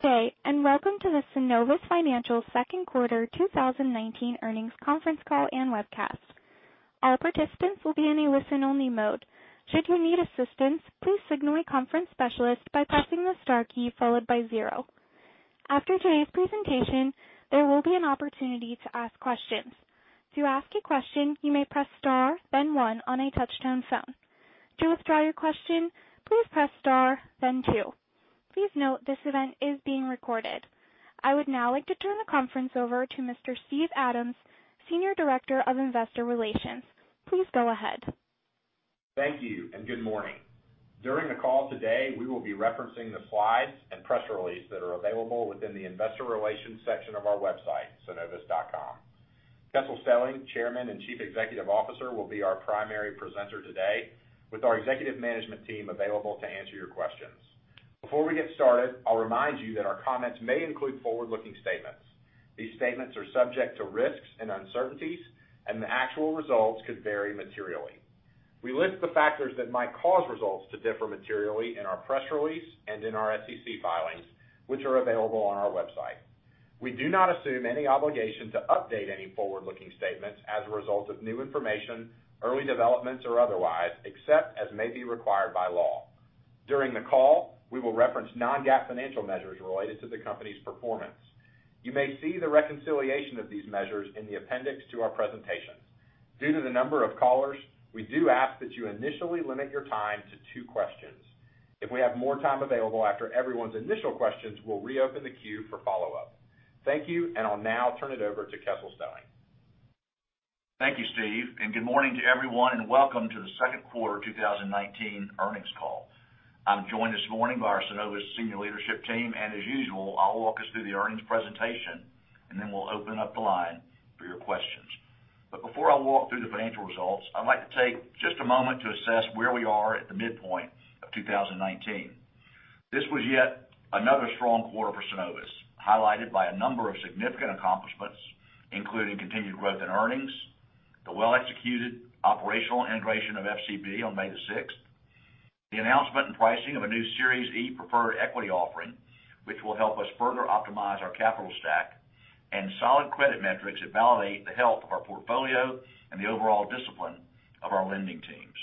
Good day, and welcome to the Synovus Financial Second Quarter 2019 Earnings Conference Call and Webcast. All participants will be in a listen-only mode. Should you need assistance, please signal a conference specialist by pressing the star key followed by zero. After today's presentation, there will be an opportunity to ask questions. To ask a question, you may press star then one on a touch-tone phone. To withdraw your question, please press star then two. Please note this event is being recorded. I would now like to turn the conference over to Mr. Steve Adams, Senior Director of Investor Relations. Please go ahead. Thank you. Good morning. During the call today, we will be referencing the slides and press release that are available within the investor relations section of our website, synovus.com. Kessel Stelling, Chairman and Chief Executive Officer, will be our primary presenter today, with our executive management team available to answer your questions. Before we get started, I'll remind you that our comments may include forward-looking statements. These statements are subject to risks and uncertainties, and the actual results could vary materially. We list the factors that might cause results to differ materially in our press release and in our SEC filings, which are available on our website. We do not assume any obligation to update any forward-looking statements as a result of new information, early developments, or otherwise, except as may be required by law. During the call, we will reference non-GAAP financial measures related to the company's performance. You may see the reconciliation of these measures in the appendix to our presentation. Due to the number of callers, we do ask that you initially limit your time to two questions. If we have more time available after everyone's initial questions, we'll reopen the queue for follow-up. Thank you. I'll now turn it over to Kessel Stelling. Thank you, Steve. Good morning to everyone, and welcome to the Second Quarter 2019 Earnings Call. I'm joined this morning by our Synovus senior leadership team. As usual, I'll walk us through the earnings presentation, and then we'll open up the line for your questions. Before I walk through the financial results, I'd like to take just a moment to assess where we are at the midpoint of 2019. This was yet another strong quarter for Synovus, highlighted by a number of significant accomplishments, including continued growth in earnings, the well-executed operational integration of FCB on May the 6th, the announcement and pricing of a new Series E preferred equity offering, which will help us further optimize our capital stack, and solid credit metrics that validate the health of our portfolio and the overall discipline of our lending teams.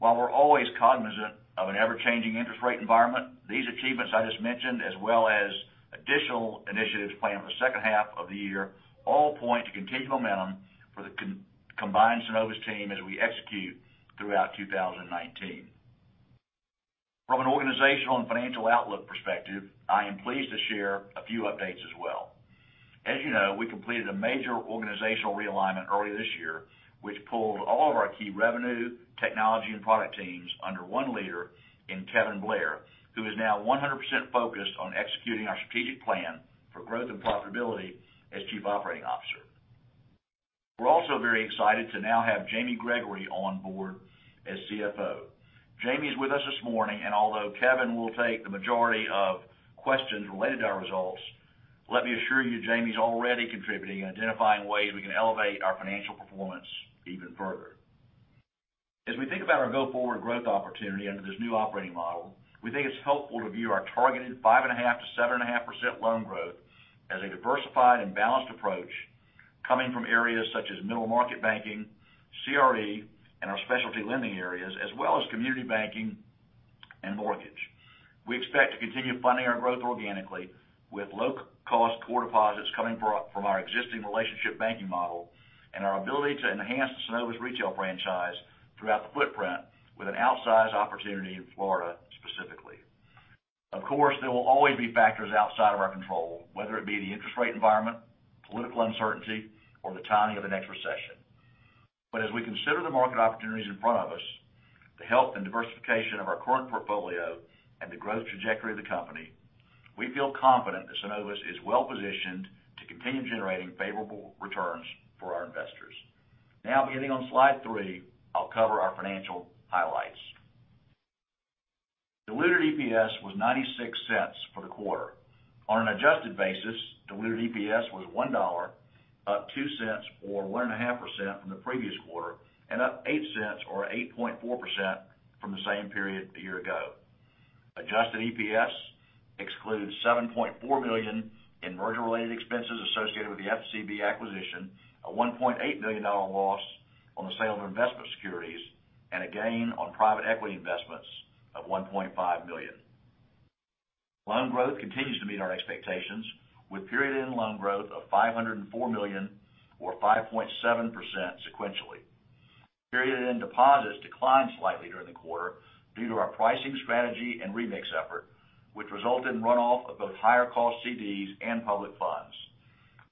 While we're always cognizant of an ever-changing interest rate environment, these achievements I just mentioned, as well as additional initiatives planned for the second half of the year, all point to continued momentum for the combined Synovus team as we execute throughout 2019. From an organizational and financial outlook perspective, I am pleased to share a few updates as well. As you know, we completed a major organizational realignment early this year, which pulled all of our key revenue, technology, and product teams under one leader in Kevin Blair, who is now 100% focused on executing our strategic plan for growth and profitability as Chief Operating Officer. We're also very excited to now have Jamie Gregory on board as CFO. Although Kevin will take the majority of questions related to our results, let me assure you, Jamie's already contributing and identifying ways we can elevate our financial performance even further. As we think about our go-forward growth opportunity under this new operating model, we think it's helpful to view our targeted 5.5%-7.5% loan growth as a diversified and balanced approach coming from areas such as middle market banking, CRE, and our specialty lending areas, as well as community banking and mortgage. We expect to continue funding our growth organically with low-cost core deposits coming from our existing relationship banking model and our ability to enhance the Synovus retail franchise throughout the footprint with an outsized opportunity in Florida specifically. Of course, there will always be factors outside of our control, whether it be the interest rate environment, political uncertainty, or the timing of the next recession. As we consider the market opportunities in front of us, the health and diversification of our current portfolio, and the growth trajectory of the company, we feel confident that Synovus is well-positioned to continue generating favorable returns for our investors. Now, beginning on slide three, I'll cover our financial highlights. Diluted EPS was $0.96 for the quarter. On an adjusted basis, diluted EPS was $1, up $0.02 or 1.5% from the previous quarter, and up $0.08 or 8.4% from the same period a year ago. Adjusted EPS excludes $7.4 million in merger-related expenses associated with the FCB acquisition, a $1.8 million loss on the sale of investment securities, and a gain on private equity investments of $1.5 million. Loan growth continues to meet our expectations with period-end loan growth of $504 million or 5.7% sequentially. Period-end deposits declined slightly during the quarter due to our pricing strategy and remix effort, which resulted in runoff of both higher cost CDs and public funds.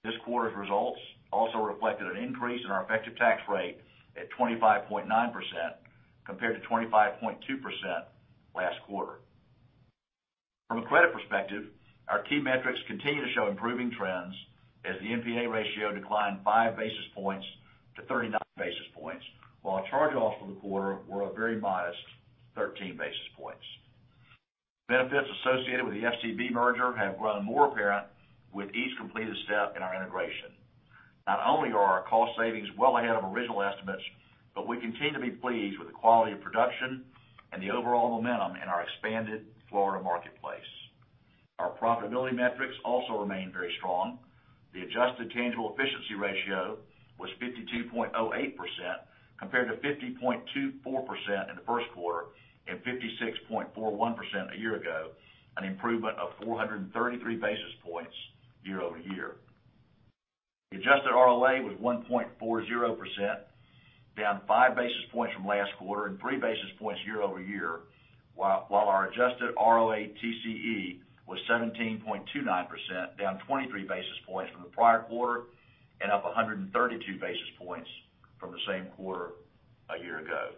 This quarter's results also reflected an increase in our effective tax rate at 25.9% compared to 25.2% last quarter. From a credit perspective, our key metrics continue to show improving trends as the NPA ratio declined 5 basis points to 39 basis points, while charge-offs for the quarter were a very modest 13 basis points. Benefits associated with the FCB merger have grown more apparent with each completed step in our integration. Not only are our cost savings well ahead of original estimates, but we continue to be pleased with the quality of production and the overall momentum in our expanded Florida marketplace. Our profitability metrics also remain very strong. The adjusted tangible efficiency ratio was 52.08%, compared to 50.24% in the first quarter and 56.41% a year ago, an improvement of 433 basis points year-over-year. The adjusted ROA was 1.40%, down 5 basis points from last quarter and 3 basis points year-over-year, while our adjusted ROATCE was 17.29%, down 23 basis points from the prior quarter and up 132 basis points from the same quarter a year ago.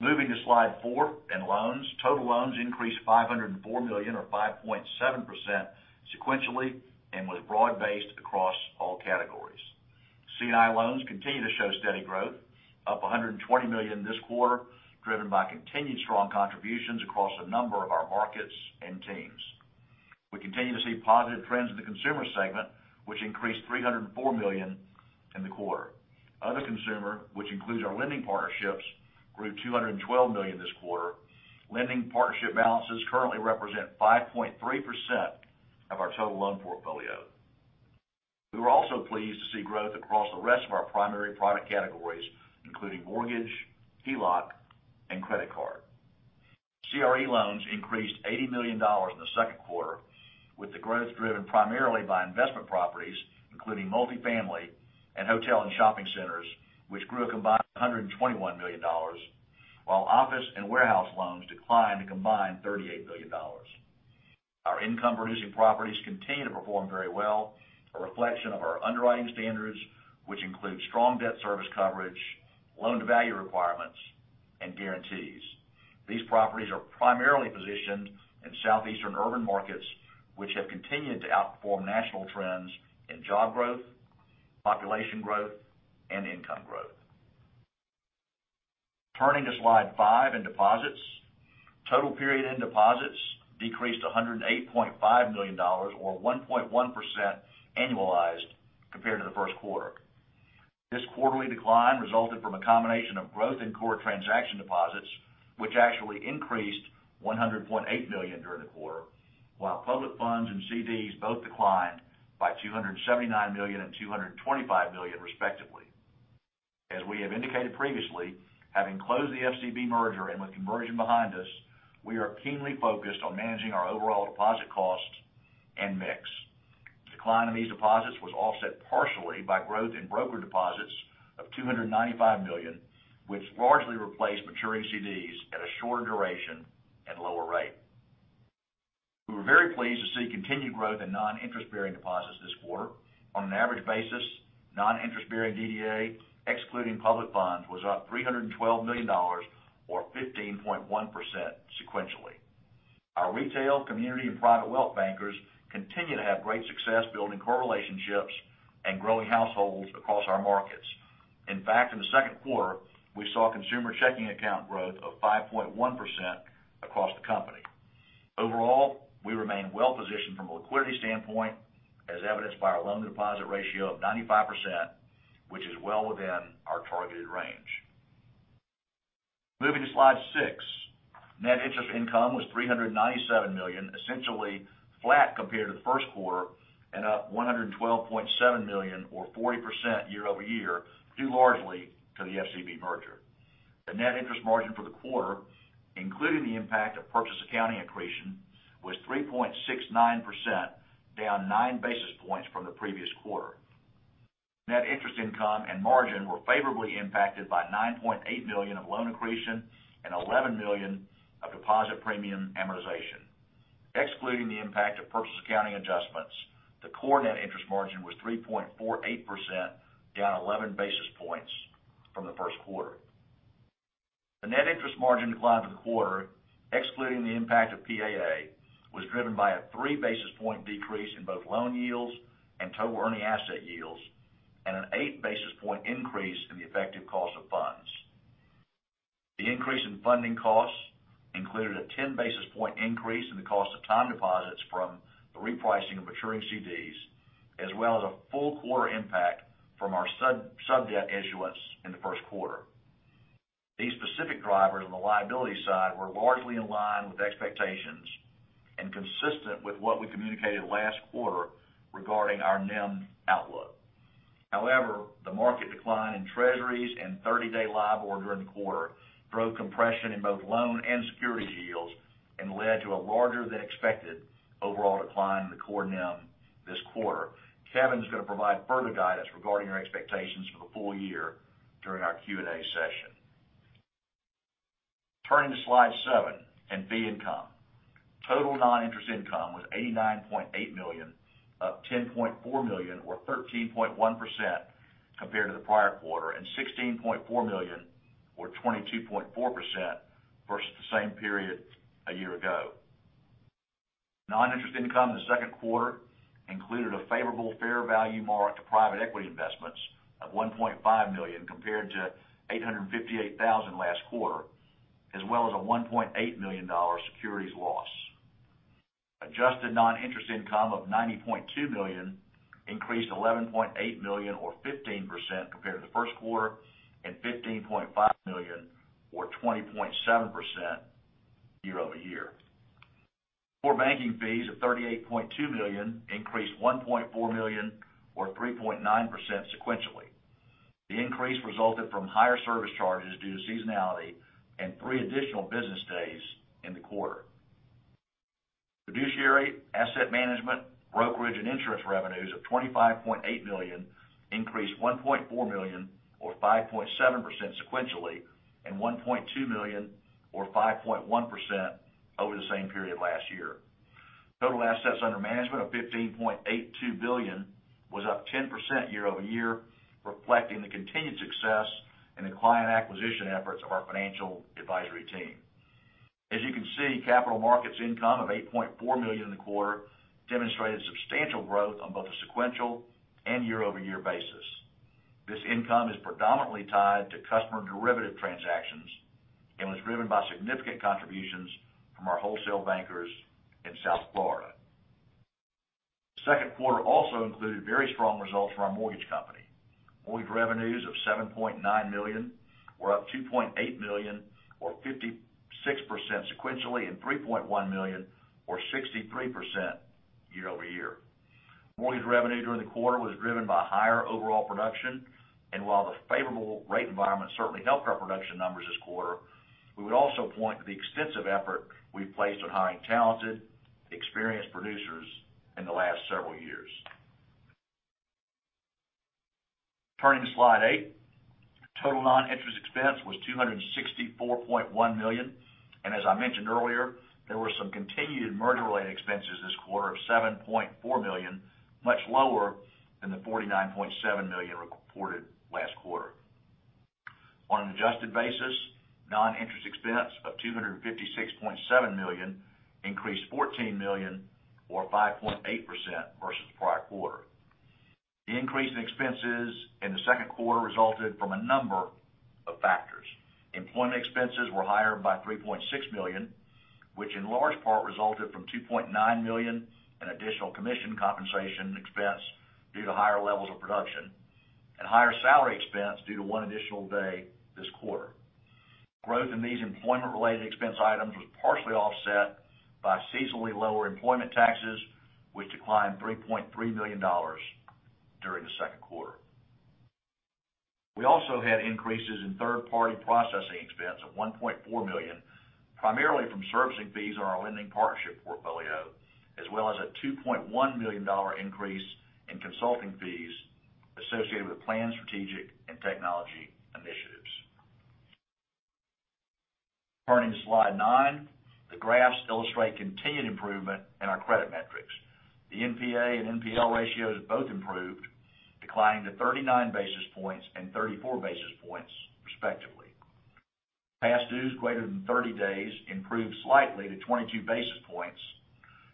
Moving to slide four in loans, total loans increased $504 million or 5.7% sequentially and was broad-based across all categories. C&I loans continue to show steady growth, up $120 million this quarter, driven by continued strong contributions across a number of our markets and teams. We continue to see positive trends in the consumer segment, which increased $304 million in the quarter. Other consumer, which includes our lending partnerships, grew $212 million this quarter. Lending partnership balances currently represent 5.3% of our total loan portfolio. We were also pleased to see growth across the rest of our primary product categories, including mortgage, HELOC, and credit card. CRE loans increased $80 million in the second quarter, with the growth driven primarily by investment properties, including multifamily and hotel and shopping centers, which grew a combined $121 million, while office and warehouse loans declined a combined $38 million. Our income-producing properties continue to perform very well, a reflection of our underwriting standards, which include strong debt service coverage, loan-to-value requirements, and guarantees. These properties are primarily positioned in Southeastern urban markets, which have continued to outperform national trends in job growth, population growth, and income growth. Turning to slide five in deposits. Total period-end deposits decreased $108.5 million, or 1.1% annualized compared to the first quarter. This quarterly decline resulted from a combination of growth in core transaction deposits, which actually increased $100.8 million during the quarter, while public funds and CDs both declined by $279 million and $225 million, respectively. As we have indicated previously, having closed the FCB merger and with conversion behind us, we are keenly focused on managing our overall deposit costs and mix. Decline in these deposits was offset partially by growth in broker deposits of $295 million, which largely replaced maturing CDs at a shorter duration and lower rate. We were very pleased to see continued growth in non-interest-bearing deposits this quarter. On an average basis, non-interest-bearing DDA, excluding public funds, was up $312 million or 15.1% sequentially. Our retail, community, and private wealth bankers continue to have great success building core relationships and growing households across our markets. In fact, in the second quarter, we saw consumer checking account growth of 5.1% across the company. Overall, we remain well-positioned from a liquidity standpoint, as evidenced by our loan-to-deposit ratio of 95%, which is well within our targeted range. Moving to slide six. Net interest income was $397 million, essentially flat compared to the first quarter and up $112.7 million or 40% year-over-year, due largely to the FCB merger. The net interest margin for the quarter, including the impact of purchase accounting accretion, was 3.69%, down 9 basis points from the previous quarter. Net interest income and margin were favorably impacted by $9.8 billion of loan accretion and $11 million of deposit premium amortization. Excluding the impact of purchase accounting adjustments, the core net interest margin was 3.48%, down 11 basis points from the first quarter. The net interest margin applied in the quarter, excluding the impact of PAA, was driven by a 3 basis point decrease in both loan yields and total earning asset yields, and an 8 basis point increase in the effective cost of funds. The increase in funding costs included a 10 basis point increase in the cost of time deposits from the repricing of maturing CDs, as well as a full quarter impact from our sub debt issuance in the first quarter. These specific drivers on the liability side were largely aligned with expectations and consistent with what we communicated last quarter regarding our NIM outlook. However, the market decline in treasuries and 30-day LIBOR during the quarter drove compression in both loan and security yields and led to a larger than expected overall decline in the quarter and this quarter. Kevin's going to provide further guidance regarding our expectations for the full year during our Q&A session. Turning to slide seven and B income. Total non-interest income was $89.8 million, up $10.4 million or 13.1% compared to the prior quarter and $16.4 million or 22.4% versus the same period a year ago. Non-interest income in the second quarter included a favorable fair value mark to private equity investments of $1.5 million compared to $858,000 last quarter, as well as a $1.8 million securities loss. Adjusted non-interest income of $90.2 million increased $11.8 million or 15% compared to the first quarter and $15.5 million or 20.7% year over year. Core banking fees of $38.2 million increased $1.4 million or 3.9% sequentially. The increase resulted from higher service charges due to seasonality and three additional business days in the quarter. Fiduciary, asset management, brokerage, and insurance revenues of $25.8 million increased $1.4 million or 5.7% sequentially and $1.2 million or 5.1% over the same period last year. Total assets under management of $15.82 billion was up 10% year-over-year, reflecting the continued success in the client acquisition efforts of our financial advisory team. As you can see, capital markets income of $8.4 million in the quarter demonstrated substantial growth on both a sequential and year-over-year basis. This income is predominantly tied to customer derivative transactions and was driven by significant contributions from our wholesale bankers in South Florida. The second quarter also included very strong results from our mortgage company. Mortgage revenues of $7.9 million were up $2.8 million or 56% sequentially and $3.1 million or 63% year-over-year. Mortgage revenue during the quarter was driven by higher overall production. While the favorable rate environment certainly helped our production numbers this quarter, we would also point to the extensive effort we've placed on hiring talented, experienced producers in the last several years. Turning to slide eight, total non-interest expense was $264.1 million. As I mentioned earlier, there were some continued merger-related expenses this quarter of $7.4 million, much lower than the $49.7 million reported last quarter. On an adjusted basis, non-interest expense of $256.7 million increased $14 million or 5.8% versus the prior quarter. The increase in expenses in the second quarter resulted from a number of factors. Employment expenses were higher by $3.6 million, which in large part resulted from $2.9 million in additional commission compensation expense due to higher levels of production and higher salary expense due to one additional day this quarter. Growth in these employment-related expense items was partially offset by seasonally lower employment taxes, which declined $3.3 million during the second quarter. We also had increases in third-party processing expense of $1.4 million, primarily from servicing fees on our lending partnership portfolio, as well as a $2.1 million increase in consulting fees associated with planned strategic and technology initiatives. Turning to slide nine, the graphs illustrate continued improvement in our credit metrics. The NPA and NPL ratios both improved, declining to 39 basis points and 34 basis points, respectively. Past dues greater than 30 days improved slightly to 22 basis points,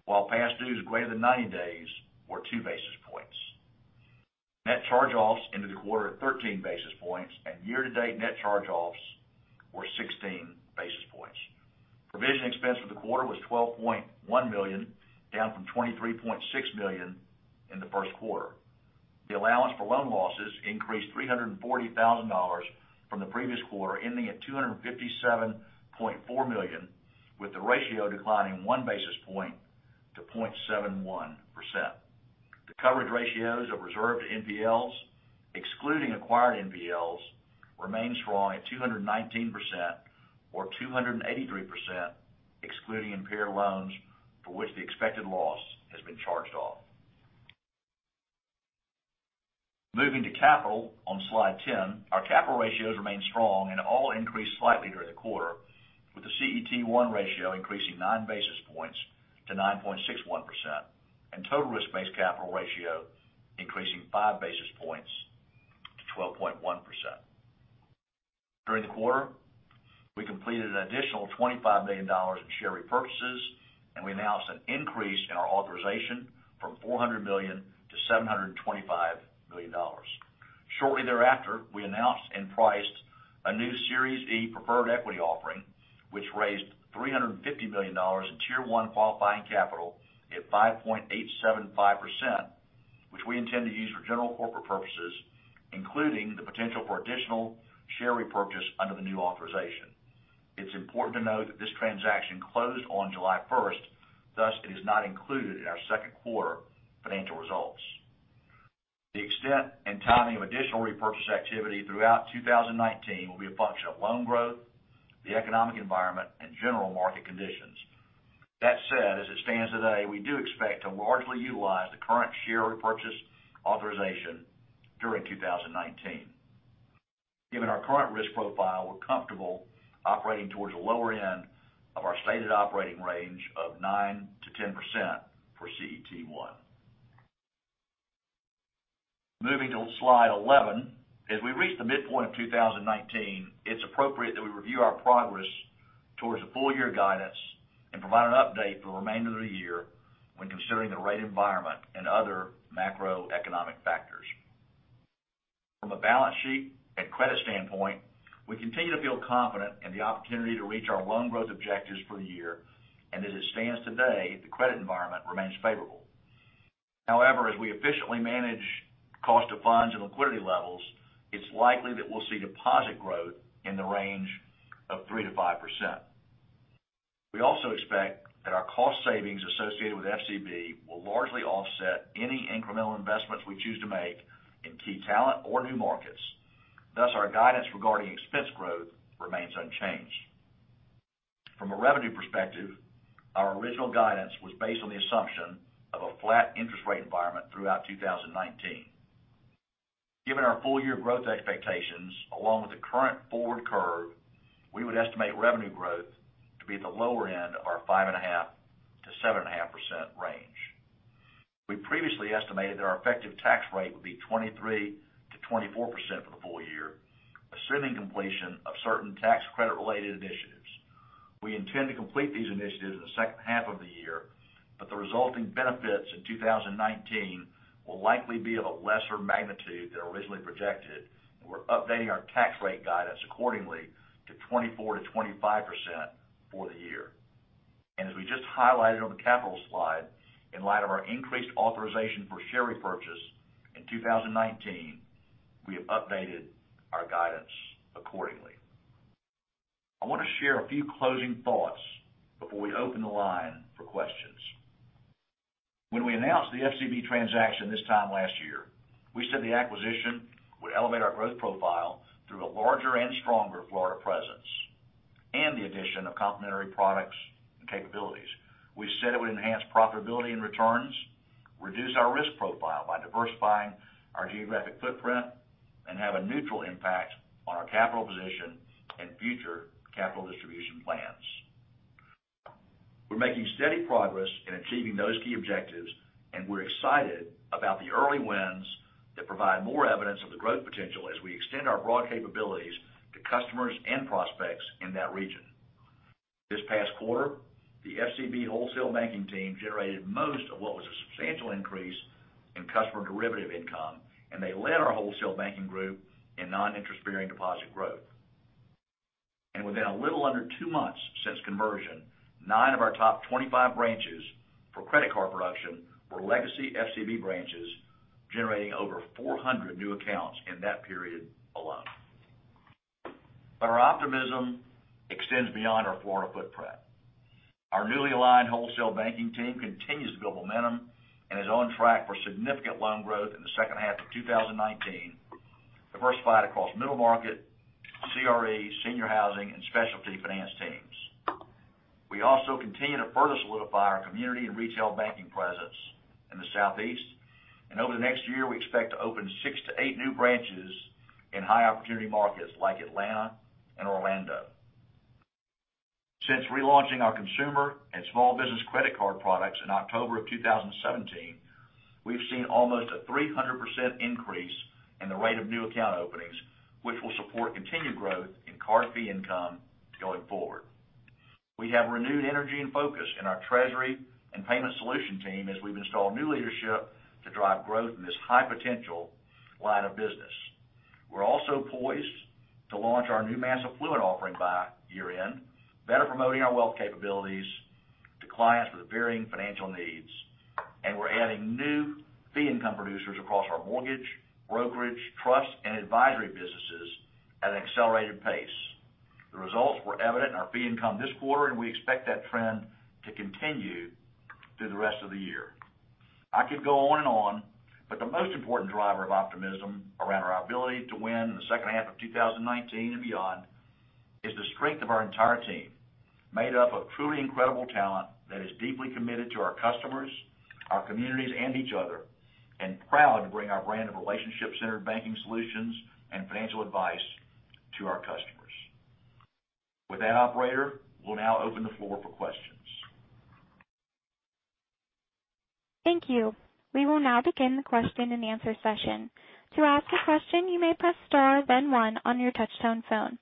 while past dues greater than 90 days were 2 basis points. Net charge-offs ended the quarter at 13 basis points, and year-to-date net charge-offs were 16 basis points. Provision expense for the quarter was $12.1 million, down from $23.6 million in the first quarter. The allowance for loan losses increased $340,000 from the previous quarter, ending at $257.4 million, with the ratio declining 1 basis point to 0.71%. The coverage ratios of reserved NPLs, excluding acquired NPLs, remain strong at 219%, or 283%, excluding impaired loans for which the expected loss has been charged off. Moving to capital on slide 10, our capital ratios remain strong and all increased slightly during the quarter, with the CET1 ratio increasing 9 basis points to 9.61%, and total risk-based capital ratio increasing 5 basis points to 12.1%. During the quarter, we completed an additional $25 million in share repurchases, and we announced an increase in our authorization from $400 million to $725 million. Shortly thereafter, we announced and priced a new Series E preferred equity offering, which raised $350 million in Tier 1 qualifying capital at 5.875%, which we intend to use for general corporate purposes, including the potential for additional share repurchase under the new authorization. It's important to note that this transaction closed on July 1st, thus it is not included in our second quarter financial results. The extent and timing of additional repurchase activity throughout 2019 will be a function of loan growth, the economic environment, and general market conditions. That said, as it stands today, we do expect to largely utilize the current share repurchase authorization during 2019. Given our current risk profile, we're comfortable operating towards the lower end of our stated operating range of 9%-10% for CET1. Moving to slide 11, as we reach the midpoint of 2019, it's appropriate that we review our progress towards the full year guidance and provide an update for the remainder of the year when considering the rate environment and other macroeconomic factors. From a balance sheet and credit standpoint, we continue to feel confident in the opportunity to reach our loan growth objectives for the year. As it stands today, the credit environment remains favorable. However, as we efficiently manage cost of funds and liquidity levels, it's likely that we'll see deposit growth in the range of 3%-5%. We also expect that our cost savings associated with FCB will largely offset any incremental investments we choose to make in key talent or new markets. Thus, our guidance regarding expense growth remains unchanged. From a revenue perspective, our original guidance was based on the assumption of a flat interest rate environment throughout 2019. Given our full-year growth expectations, along with the current forward curve, we would estimate revenue growth to be at the lower end of our 5.5%-7.5% range. We previously estimated that our effective tax rate would be 23%-24% for the full year, assuming completion of certain tax credit-related initiatives. We intend to complete these initiatives in the second half of the year, but the resulting benefits in 2019 will likely be of a lesser magnitude than originally projected, and we're updating our tax rate guidance accordingly to 24%-25% for the year. As we just highlighted on the capital slide, in light of our increased authorization for share repurchase in 2019, we have updated our guidance accordingly. I want to share a few closing thoughts before we open the line for questions. When we announced the FCB transaction this time last year, we said the acquisition would elevate our growth profile through a larger and stronger Florida presence and the addition of complementary products and capabilities. We said it would enhance profitability and returns, reduce our risk profile by diversifying our geographic footprint, and have a neutral impact on our capital position and future capital distribution plans. We're making steady progress in achieving those key objectives. We're excited about the early wins that provide more evidence of the growth potential as we extend our broad capabilities to customers and prospects in that region. This past quarter, the FCB wholesale banking team generated most of what was a substantial increase in customer derivative income. They led our wholesale banking group in non-interest-bearing deposit growth. Within a little under two months since conversion, nine of our top 25 branches for credit card production were legacy FCB branches, generating over 400 new accounts in that period alone. Our optimism extends beyond our Florida footprint. Our newly aligned wholesale banking team continues to build momentum and is on track for significant loan growth in the second half of 2019, diversified across middle market, CRE, senior housing, and specialty finance teams. We also continue to further solidify our community and retail banking presence in the Southeast. Over the next year, we expect to open six to eight new branches in high-opportunity markets like Atlanta and Orlando. Since relaunching our consumer and small business credit card products in October of 2017, we've seen almost a 300% increase in the rate of new account openings, which will support continued growth in card fee income going forward. We have renewed energy and focus in our treasury and payment solution team as we've installed new leadership to drive growth in this high-potential line of business. We're also poised to launch our new mass affluent offering by year-end, better promoting our wealth capabilities to clients with varying financial needs. We're adding new fee income producers across our mortgage, brokerage, trust, and advisory businesses at an accelerated pace. The results were evident in our fee income this quarter. We expect that trend to continue through the rest of the year. I could go on and on, but the most important driver of optimism around our ability to win in the second half of 2019 and beyond is the strength of our entire team, made up of truly incredible talent that is deeply committed to our customers, our communities, and each other, and proud to bring our brand of relationship-centered banking solutions and financial advice to our customers. With that, operator, we'll now open the floor for questions. Thank you. We will now begin the question and answer session. To ask a question, you may press star then one on your touchtone phone.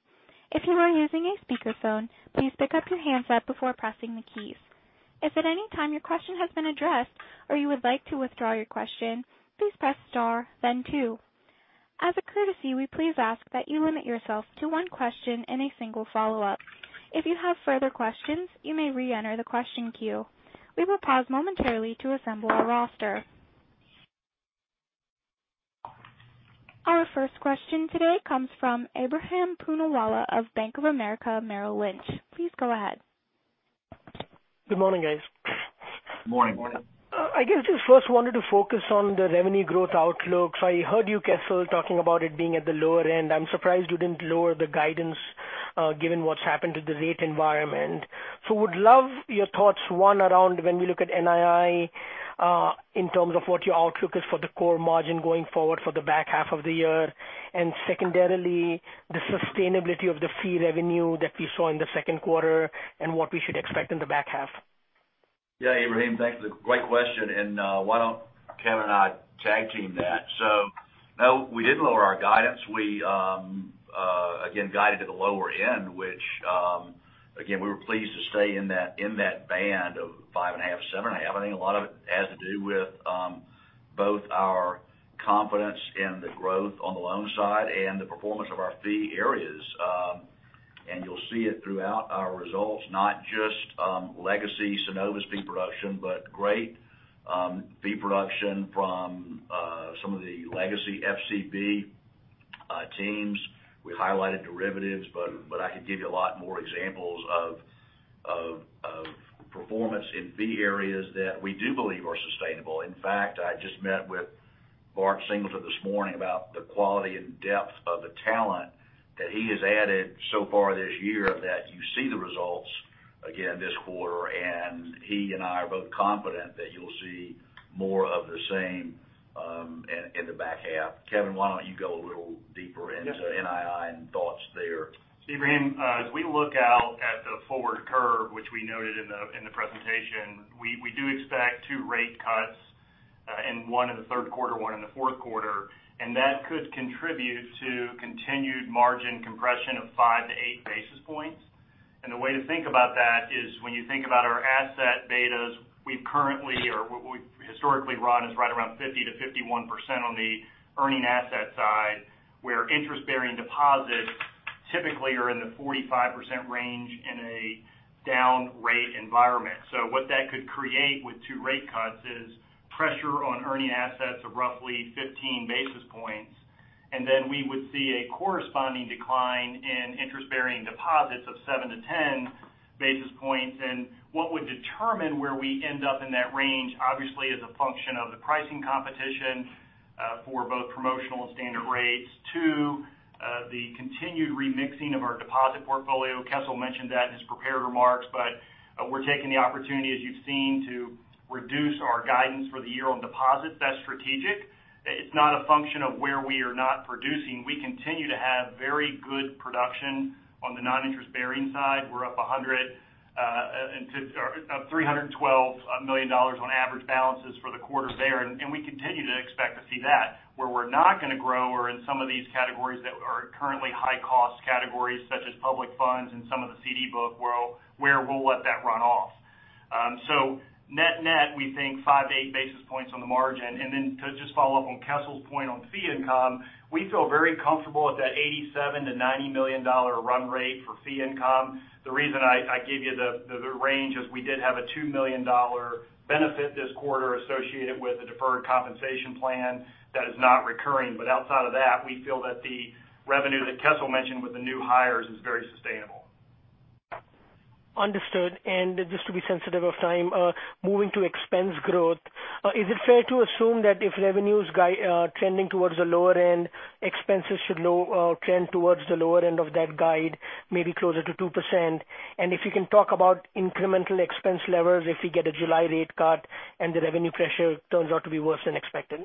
If you are using a speakerphone, please pick up your handset before pressing the keys. If at any time your question has been addressed or you would like to withdraw your question, please press star then two. As a courtesy, we please ask that you limit yourself to one question and a single follow-up. If you have further questions, you may reenter the question queue. We will pause momentarily to assemble our roster. Our first question today comes from Ebrahim Poonawala of Bank of America Merrill Lynch. Please go ahead. Good morning, guys. Morning. I guess just first wanted to focus on the revenue growth outlook. I heard you, Kessel, talking about it being at the lower end. I'm surprised you didn't lower the guidance, given what's happened to the rate environment. Would love your thoughts, one, around when we look at NII, in terms of what your outlook is for the core margin going forward for the back half of the year, and secondarily, the sustainability of the fee revenue that we saw in the second quarter and what we should expect in the back half. Ebrahim, thanks. Great question. Why don't Kevin and I tag team that? No, we didn't lower our guidance. We, again, guided to the lower end, which, we were pleased to stay in that band of 5.5-7.5. I think a lot of it has to do with both our confidence in the growth on the loan side and the performance of our fee areas. You'll see it throughout our results, not just legacy Synovus fee production, but great fee production from some of the legacy FCB teams. We highlighted derivatives, but I could give you a lot more examples of performance in fee areas that we do believe are sustainable. In fact, I just met with Bart Singleton this morning about the quality and depth of the talent that he has added so far this year that you see the results again this quarter. He and I are both confident that you'll see more of the same in the back half. Kevin, why don't you go a little deeper into NII and thoughts there? Ebrahim, as we look out at the forward curve, which we noted in the presentation, we do expect two rate cuts, one in the third quarter, one in the fourth quarter. That could contribute to continued margin compression of 5-8 basis points. The way to think about that is when you think about our asset betas, we've currently, or what we've historically run is right around 50%-51% on the earning asset side, where interest-bearing deposits typically are in the 45% range in a down-rate environment. What that could create with two rate cuts is pressure on earning assets of roughly 15 basis points. Then we would see a corresponding decline in interest-bearing deposits of 7-10 basis points. What would determine where we end up in that range, obviously, is a function of the pricing competition for both promotional and standard rates to the continued remixing of our deposit portfolio. Kessel mentioned that in his prepared remarks, but we're taking the opportunity, as you've seen, to reduce our guidance for the year on deposits. That's strategic. It's not a function of where we are not producing. We continue to have very good production on the non-interest-bearing side. We're up $312 million on average balances for the quarter there. We continue to expect to see that. Where we're not going to grow are in some of these categories that are currently high-cost categories, such as public funds and some of the CD book where we'll let that run off. Net-net, we think 5-8 basis points on the margin. To just follow up on Kessel's point on fee income, we feel very comfortable at that $87 million-$90 million run rate for fee income. The reason I gave you the range is we did have a $2 million benefit this quarter associated with the deferred compensation plan that is not recurring. Outside of that, we feel that the revenue that Kessel mentioned with the new hires is very sustainable. Understood. Just to be sensitive of time, moving to expense growth, is it fair to assume that if revenues trending towards the lower end, expenses should trend towards the lower end of that guide, maybe closer to 2%? If you can talk about incremental expense levels if we get a July rate cut and the revenue pressure turns out to be worse than expected.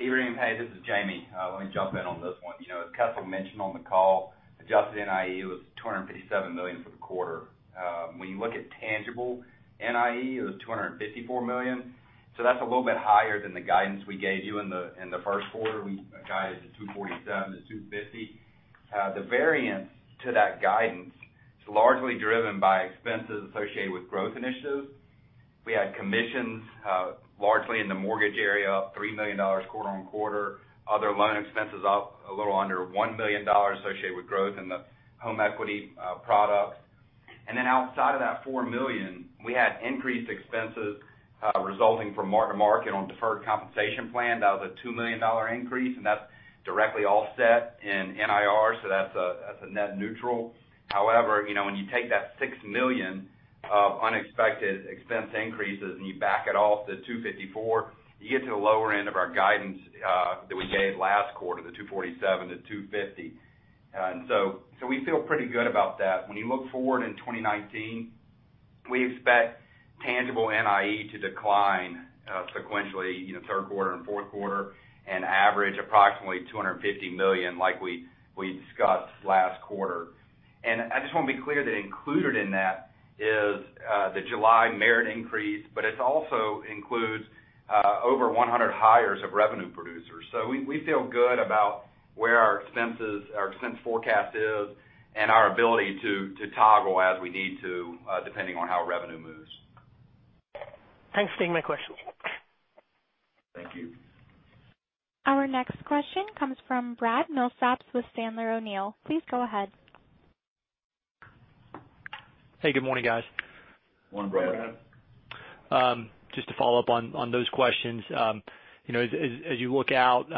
Ebrahim, hey, this is Jamie. Let me jump in on this one. As Kessel mentioned on the call, adjusted NIE was $257 million for the quarter. When you look at tangible NIE, it was $254 million. That's a little bit higher than the guidance we gave you in the first quarter. We guided to $247 million-$250 million. The variance to that guidance is largely driven by expenses associated with growth initiatives. We had commissions largely in the mortgage area up $3 million quarter-on-quarter. Other loan expenses up a little under $1 million associated with growth in the home equity products. Outside of that $4 million, we had increased expenses resulting from mark-to-market on deferred compensation plan. That was a $2 million increase, that's directly offset in NIR, that's a net neutral. However, when you take that $6 million of unexpected expense increases and you back it off the $254 million, you get to the lower end of our guidance that we gave last quarter, the $247 million-$250 million. We feel pretty good about that. When you look forward in 2019, we expect tangible NIE to decline sequentially third quarter and fourth quarter and average approximately $250 million like we discussed last quarter. I just want to be clear that included in that is the July merit increase, but it also includes over 100 hires of revenue producers. We feel good about where our expense forecast is and our ability to toggle as we need to depending on how revenue moves. Thanks for taking my questions. Thank you. Our next question comes from Brad Milsaps with Sandler O'Neill. Please go ahead. Hey, good morning, guys. Morning, Brad. Just to follow up on those questions. As you look out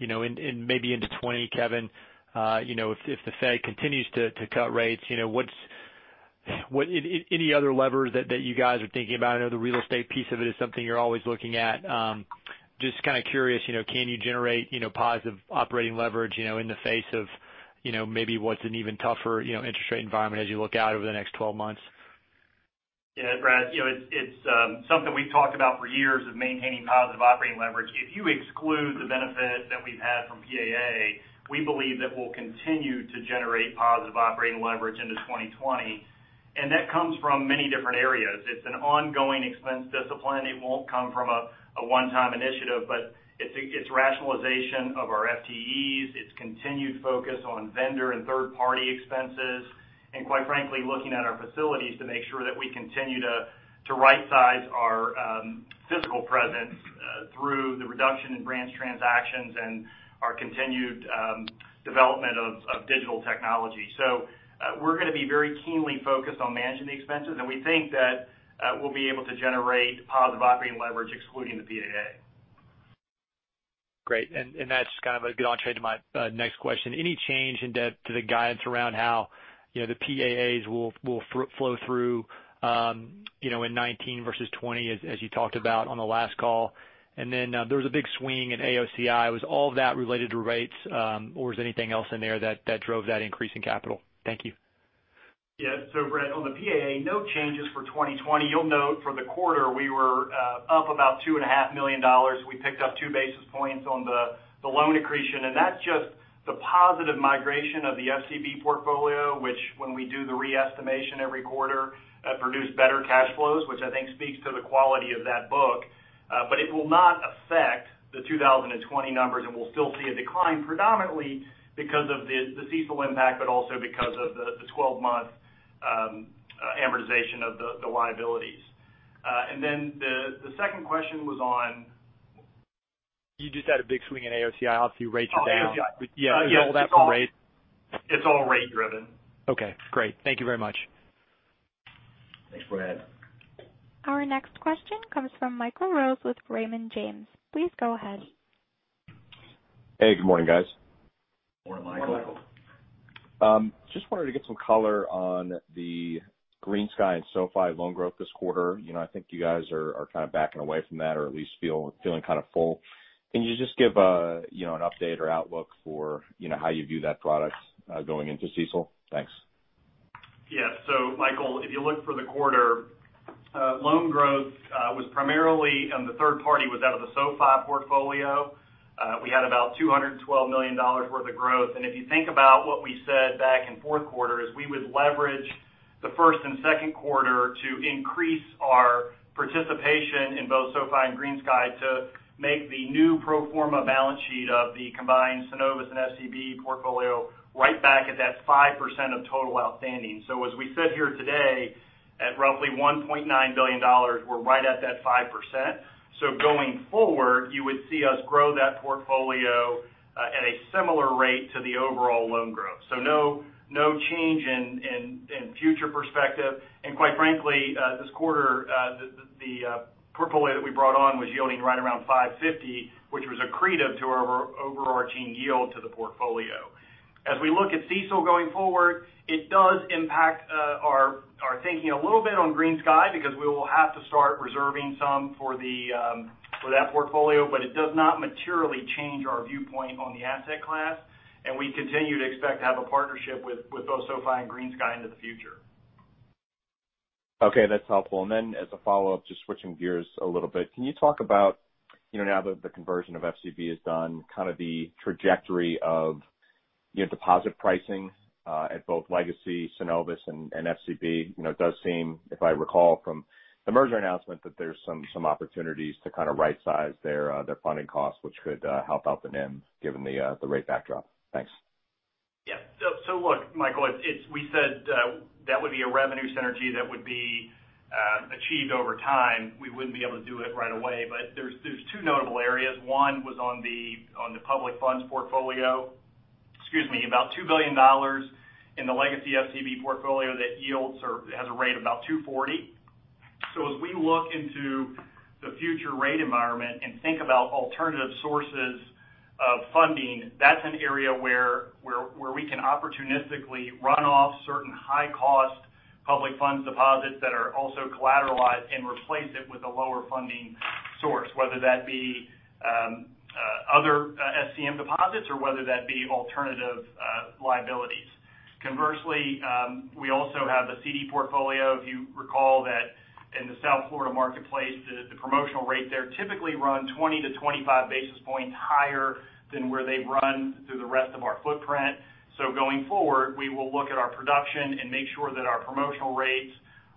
maybe into 2020, Kevin, if the Fed continues to cut rates, any other levers that you guys are thinking about? I know the real estate piece of it is something you're always looking at. Just kind of curious, can you generate positive operating leverage in the face of maybe what's an even tougher interest rate environment as you look out over the next 12 months? Yeah, Brad, it's something we've talked about for years of maintaining positive operating leverage. If you exclude the benefit that we've had from PAA, we believe that we'll continue to generate positive operating leverage into 2020. That comes from many different areas. It's an ongoing expense discipline. It won't come from a one-time initiative, but it's rationalization of our FTEs, it's continued focus on vendor and third-party expenses, and quite frankly, looking at our facilities to make sure that we continue to right size our physical presence through the reduction in branch transactions and our continued development of digital technology. We're going to be very keenly focused on managing the expenses, and we think that we'll be able to generate positive operating leverage excluding the PAA. Great. That's kind of a good entrée to my next question. Any change in depth to the guidance around how the PAAs will flow through in 2019 versus 2020, as you talked about on the last call? There was a big swing in AOCI. Was all of that related to rates? Or was there anything else in there that drove that increase in capital? Thank you. Brad, on the PAA, no changes for 2020. You'll note for the quarter we were up about $2.5 million. We picked up 2 basis points on the loan accretion, that's just the positive migration of the FCB portfolio, which when we do the re-estimation every quarter, produce better cash flows, which I think speaks to the quality of that book. It will not affect the 2020 numbers, we'll still see a decline predominantly because of the CECL impact, also because of the 12-month amortization of the liabilities. The second question was on? You just had a big swing in AOCI, obviously rates are down. Oh, AOCI. Yeah. Was all that from rates? It's all rate driven. Okay, great. Thank you very much. Thanks, Brad. Our next question comes from Michael Rose with Raymond James. Please go ahead. Hey, good morning, guys. Morning, Michael. Just wanted to get some color on the GreenSky and SoFi loan growth this quarter. I think you guys are kind of backing away from that or at least feeling kind of full. Can you just give an update or outlook for how you view that product going into CECL? Thanks. Yeah. Michael, if you look for the quarter, loan growth was primarily on the third-party, was out of the SoFi portfolio. We had about $212 million worth of growth. If you think about what we said back in fourth quarter is we would leverage the first and second quarter to increase our participation in both SoFi and GreenSky to make the new pro forma balance sheet of the combined Synovus and FCB portfolio right back at that 5% of total outstanding. As we sit here today at roughly $1.9 billion, we're right at that 5%. Going forward, you would see us grow that portfolio at a similar rate to the overall loan growth. No change in future perspective. Quite frankly, this quarter, the portfolio that we brought on was yielding right around 5.50%, which was accretive to our overarching yield to the portfolio. As we look at CECL going forward, it does impact our thinking a little bit on GreenSky because we will have to start reserving some for that portfolio. It does not materially change our viewpoint on the asset class, and we continue to expect to have a partnership with both SoFi and GreenSky into the future. Okay, that's helpful. As a follow-up, just switching gears a little bit, can you talk about now that the conversion of FCB is done, kind of the trajectory of your deposit pricing at both legacy Synovus and FCB? It does seem, if I recall from the merger announcement, that there's some opportunities to kind of right-size their funding costs, which could help out the NIM given the rate backdrop. Thanks. Yeah. Look, Michael, we said that would be a revenue synergy that would be achieved over time. We wouldn't be able to do it right away. There's two notable areas. One was on the public funds portfolio, about $2 billion in the legacy FCB portfolio that yields or has a rate of about 2.40%. As we look into the future rate environment and think about alternative sources of funding, that's an area where we can opportunistically run off certain high-cost public funds deposits that are also collateralized and replace it with a lower funding source, whether that be other SCM deposits or whether that be alternative liabilities. Conversely, we also have a CD portfolio. If you recall that in the South Florida marketplace, the promotional rate there typically run 20-25 basis points higher than where they run through the rest of our footprint. Going forward, we will look at our production and make sure that our promotional rates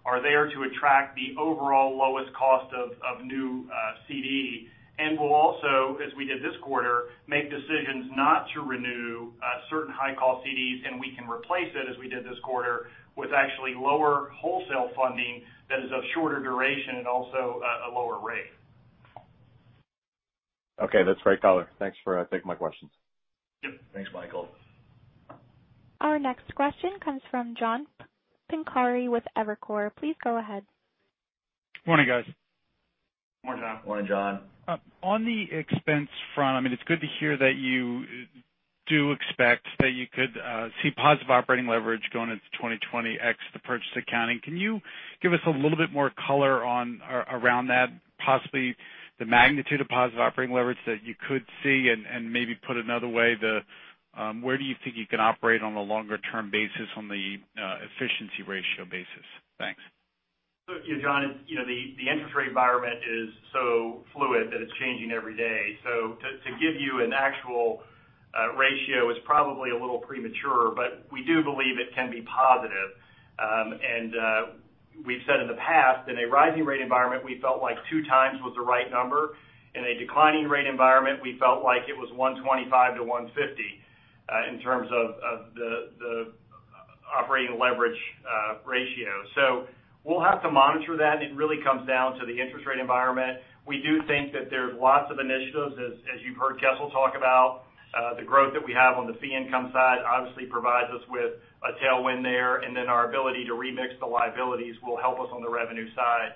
are there to attract the overall lowest cost of new CD. We will also, as we did this quarter, make decisions not to renew certain high-cost CDs, and we can replace it as we did this quarter with actually lower wholesale funding that is of shorter duration and also a lower rate. Okay, that's great color. Thanks for taking my questions. Yep. Thanks, Michael. Our next question comes from John Pancari with Evercore. Please go ahead. Morning, guys. Morning, John. Morning, John. On the expense front, it's good to hear that you do expect that you could see positive operating leverage going into 2020 ex the purchase accounting. Can you give us a little bit more color around that, possibly the magnitude of positive operating leverage that you could see and maybe put another way, where do you think you can operate on a longer-term basis on the efficiency ratio basis? Thanks. Look, John, the interest rate environment is so fluid that it's changing every day. To give you an actual ratio is probably a little premature, but we do believe it can be positive. We've said in the past, in a rising rate environment, we felt like two times was the right number. In a declining rate environment, we felt like it was 125-150 in terms of the operating leverage ratio. We'll have to monitor that, and it really comes down to the interest rate environment. We do think that there's lots of initiatives, as you've heard Kessel talk about the growth that we have on the fee income side obviously provides us with a tailwind there, and then our ability to remix the liabilities will help us on the revenue side.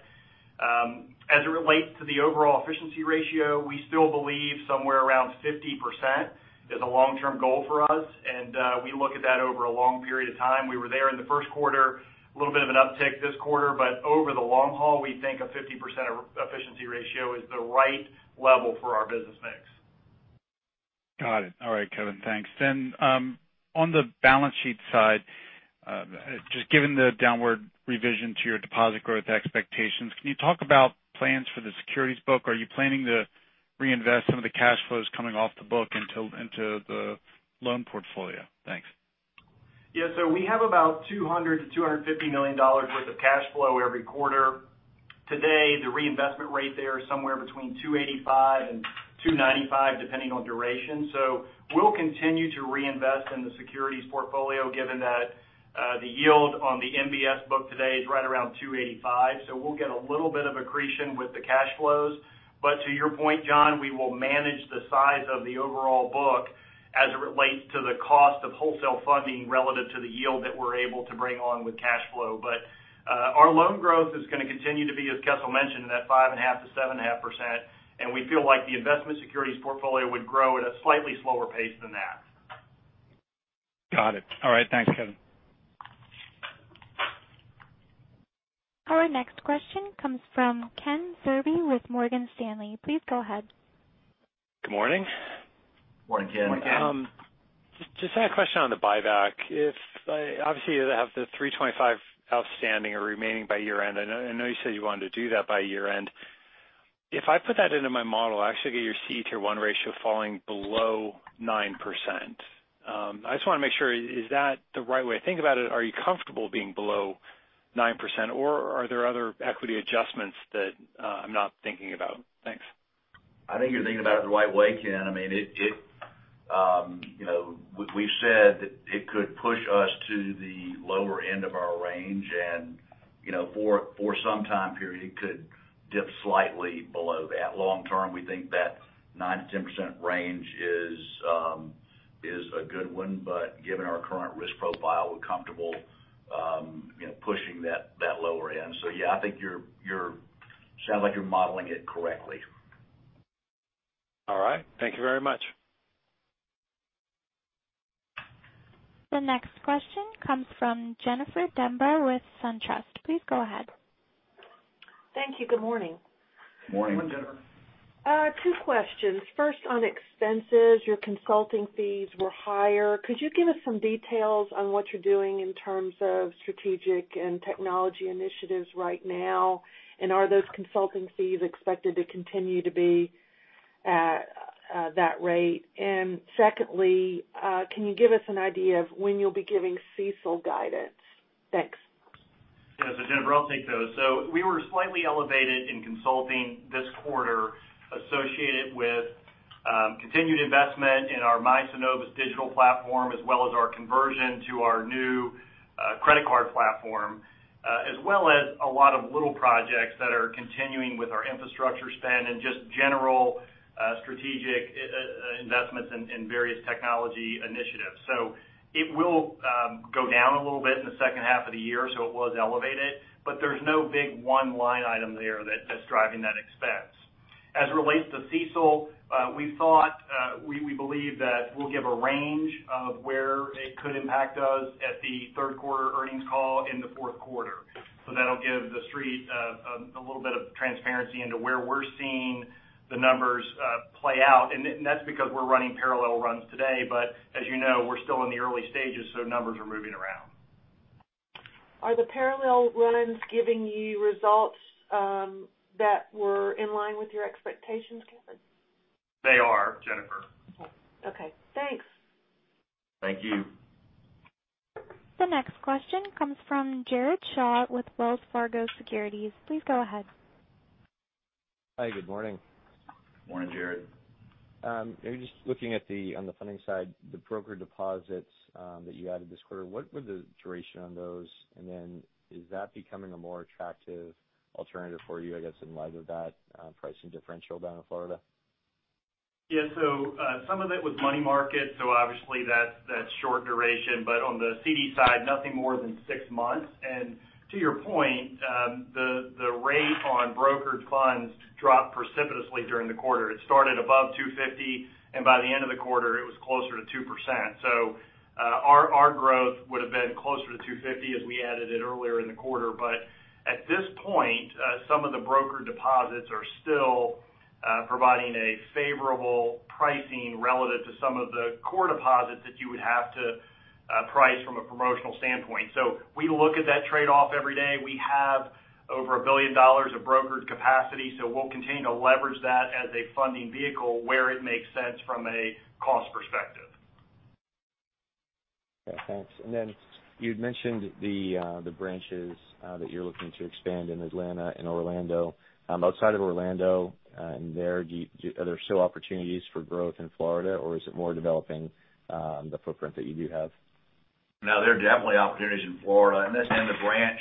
As it relates to the overall efficiency ratio, we still believe somewhere around 50% is a long-term goal for us, and we look at that over a long period of time. We were there in the first quarter, a little bit of an uptick this quarter. Over the long haul, we think a 50% efficiency ratio is the right level for our business mix. Got it. All right, Kevin. Thanks. On the balance sheet side, just given the downward revision to your deposit growth expectations, can you talk about plans for the securities book? Are you planning to reinvest some of the cash flows coming off the book into the loan portfolio? Thanks. Yeah. We have about $200 million-$250 million worth of cash flow every quarter. Today, the reinvestment rate there is somewhere between 285-295, depending on duration. We'll continue to reinvest in the securities portfolio, given that the yield on the MBS book today is right around 285. We'll get a little bit of accretion with the cash flows. To your point, John, we will manage the size of the overall book as it relates to the cost of wholesale funding relative to the yield that we're able to bring on with cash flow. Our loan growth is going to continue to be, as Kessel mentioned, that 5.5%-7.5%, and we feel like the investment securities portfolio would grow at a slightly slower pace than that. Got it. All right. Thanks, Kevin. Our next question comes from Ken Zerbe with Morgan Stanley. Please go ahead. Good morning. Morning, Ken. Just had a question on the buyback. Obviously, you have the $325 million outstanding or remaining by year-end. I know you said you wanted to do that by year-end. If I put that into my model, I actually get your CET1 ratio falling below 9%. I just want to make sure, is that the right way to think about it? Are you comfortable being below 9%, or are there other equity adjustments that I'm not thinking about? Thanks. I think you're thinking about it the right way, Ken. We've said that it could push us to the lower end of our range, and for some time period, it could dip slightly below that. Long term, we think that 9%-10% range is a good one, but given our current risk profile, we're comfortable pushing that lower end. Yeah, I think it sounds like you're modeling it correctly. All right. Thank you very much. The next question comes from Jennifer Demba with SunTrust. Please go ahead. Thank you. Good morning. Morning. Good morning, Jennifer. Two questions. First, on expenses, your consulting fees were higher. Could you give us some details on what you're doing in terms of strategic and technology initiatives right now? Are those consulting fees expected to continue to be at that rate? Secondly, can you give us an idea of when you'll be giving CECL guidance? Thanks. Yeah. Jennifer, I'll take those. We were slightly elevated in consulting this quarter associated with continued investment in our My Synovus digital platform, as well as our conversion to our new credit card platform, as well as a lot of little projects that are continuing with our infrastructure spend and just general strategic investments in various technology initiatives. It will go down a little bit in the second half of the year, so it was elevated. There's no big one line item there that's driving that expense. As it relates to CECL, we believe that we'll give a range of where it could impact us at the third quarter earnings call in the fourth quarter. That'll give The Street a little bit of transparency into where we're seeing the numbers play out. That's because we're running parallel runs today. As you know, we're still in the early stages, so numbers are moving around. Are the parallel runs giving you results that were in line with your expectations, Kevin? They are, Jennifer. Okay. Thanks. Thank you. The next question comes from Jared Shaw with Wells Fargo Securities. Please go ahead. Hi, good morning. Morning, Jared. Just looking on the funding side, the broker deposits that you added this quarter, what were the duration on those? Is that becoming a more attractive alternative for you, I guess, in light of that pricing differential down in Florida? Yeah. Some of it was money market, so obviously that's short duration. On the CD side, nothing more than six months. To your point, the rate on brokered funds dropped precipitously during the quarter. It started above 250, and by the end of the quarter, it was closer to 2%. Our growth would have been closer to 250 as we added it earlier in the quarter. At this point, some of the broker deposits are still providing a favorable pricing relative to some of the core deposits that you would have to price from a promotional standpoint. We look at that trade-off every day. We have over $1 billion of brokered capacity, so we'll continue to leverage that as a funding vehicle where it makes sense from a cost perspective. Yeah, thanks. You'd mentioned the branches that you're looking to expand in Atlanta and Orlando. Outside of Orlando, are there still opportunities for growth in Florida, or is it more developing the footprint that you do have? No, there are definitely opportunities in Florida, and the branch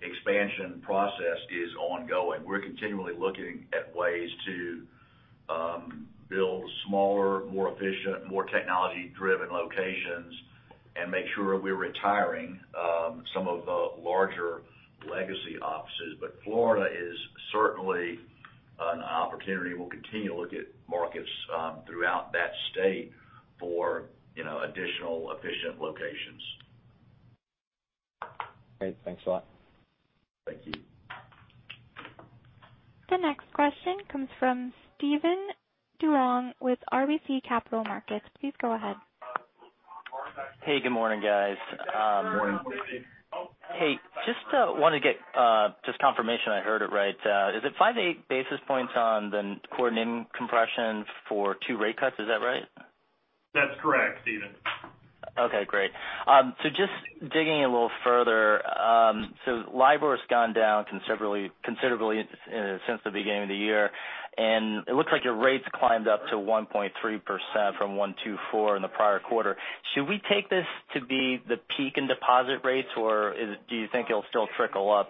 expansion process is ongoing. We're continually looking at ways to build smaller, more efficient, more technology-driven locations and make sure we're retiring some of the larger legacy offices. Florida is certainly an opportunity. We'll continue to look at markets throughout that state for additional efficient locations. Great. Thanks a lot. Thank you. The next question comes from Steven Duong with RBC Capital Markets. Please go ahead. Hey, good morning, guys. Morning. Hey, just wanted to get just confirmation I heard it right. Is it 5-8 basis points on the core NIM compression for two rate cuts? Is that right? That's correct, Steven. Okay, great. Just digging a little further, LIBOR has gone down considerably since the beginning of the year, and it looks like your rates climbed up to 1.3% from 1.24 in the prior quarter. Should we take this to be the peak in deposit rates, or do you think it'll still trickle up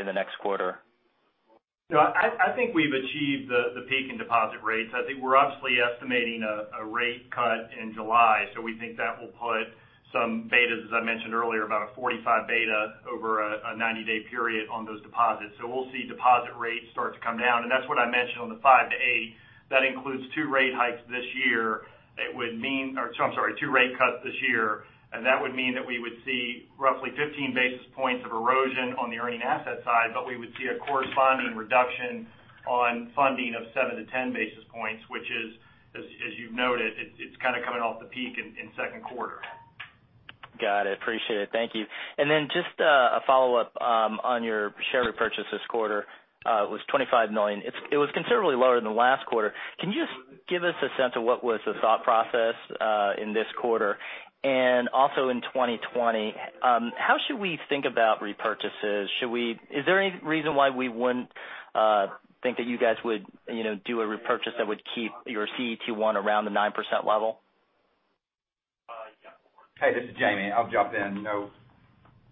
in the next quarter? No, I think we've achieved the peak in deposit rates. I think we're obviously estimating a rate cut in July, so we think that will put some betas, as I mentioned earlier, about a 45 beta over a 90-day period on those deposits. We'll see deposit rates start to come down. That's what I mentioned on the 5-8. That includes two rate hikes this year. Or I'm sorry, two rate cuts this year, and that would mean that we would see roughly 15 basis points of erosion on the earning asset side, but we would see a corresponding reduction on funding of 7-10 basis points, which is, as you've noted, it's kind of coming off the peak in second quarter. Got it. Appreciate it. Thank you. Just a follow-up on your share repurchase this quarter. It was $25 million. It was considerably lower than the last quarter. Can you just give us a sense of what was the thought process in this quarter and also in 2020? How should we think about repurchases? Is there any reason why we wouldn't think that you guys would do a repurchase that would keep your CET1 around the 9% level? Hey, this is Jamie. I'll jump in.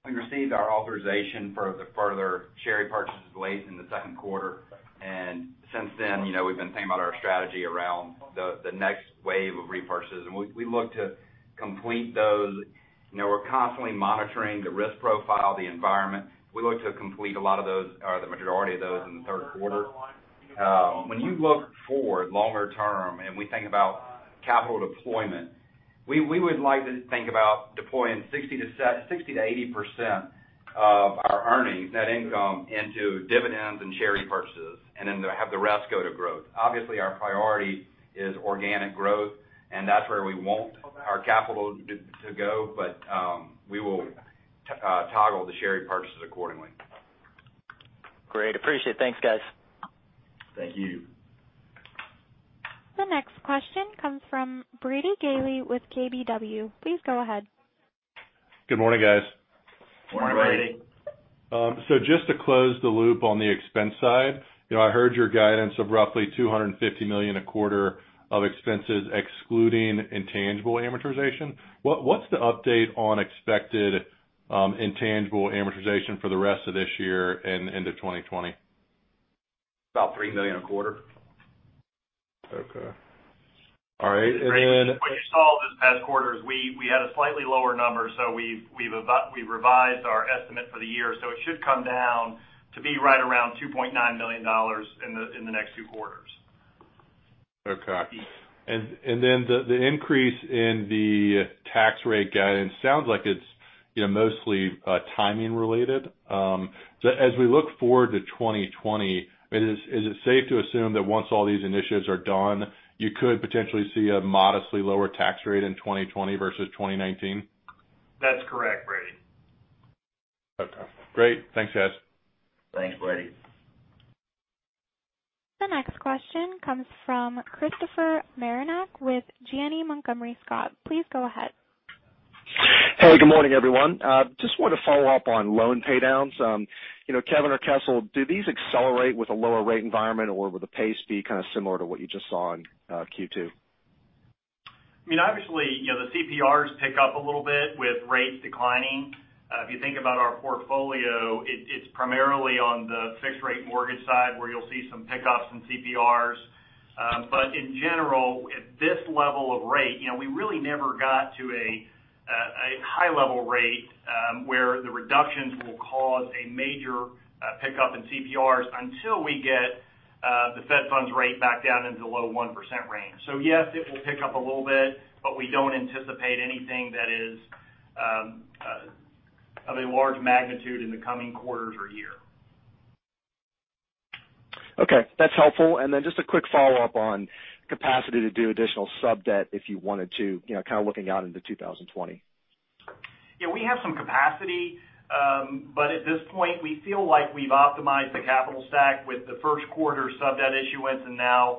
We received our authorization for the further share repurchases late in the second quarter. Since then, we've been thinking about our strategy around the next wave of repurchases. We look to complete those. We're constantly monitoring the risk profile, the environment. We look to complete a lot of those, or the majority of those, in the third quarter. When you look forward longer term and we think about capital deployment, we would like to think about deploying 60%-80% of our earnings, net income, into dividends and share repurchases. Have the rest go to growth. Obviously, our priority is organic growth. That's where we want our capital to go, but we will toggle the share repurchases accordingly. Great. Appreciate it. Thanks, guys. Thank you. The next question comes from Brady Gailey with KBW. Please go ahead. Good morning, guys. Morning, Brady. Just to close the loop on the expense side, I heard your guidance of roughly $250 million a quarter of expenses excluding intangible amortization. What's the update on expected intangible amortization for the rest of this year and into 2020? About $3 million a quarter. Okay. All right. What you saw this past quarter is we had a slightly lower number, we revised our estimate for the year. It should come down to be right around $2.9 million in the next two quarters. Okay. The increase in the tax rate guidance sounds like it's mostly timing related. As we look forward to 2020, is it safe to assume that once all these initiatives are done, you could potentially see a modestly lower tax rate in 2020 versus 2019? That's correct, Brady. Okay, great. Thanks, guys. Thanks, Brady. The next question comes from Christopher Marinac with Janney Montgomery Scott. Please go ahead. Hey, good morning, everyone. Just wanted to follow up on loan paydowns. Kevin or Kessel, do these accelerate with a lower rate environment or would the pace be kind of similar to what you just saw in Q2? Obviously, the CPRs pick up a little bit with rates declining. If you think about our portfolio, it's primarily on the fixed rate mortgage side where you'll see some pickups in CPRs. In general, at this level of rate, we really never got to a high-level rate where the reductions will cause a major pickup in CPRs until we get the Fed funds rate back down into the low 1% range. Yes, it will pick up a little bit, but we don't anticipate anything that is of a large magnitude in the coming quarters or year. Okay, that's helpful. Just a quick follow-up on capacity to do additional sub-debt if you wanted to, kind of looking out into 2020. Yeah, we have some capacity. At this point, we feel like we've optimized the capital stack with the first quarter sub-debt issuance, and now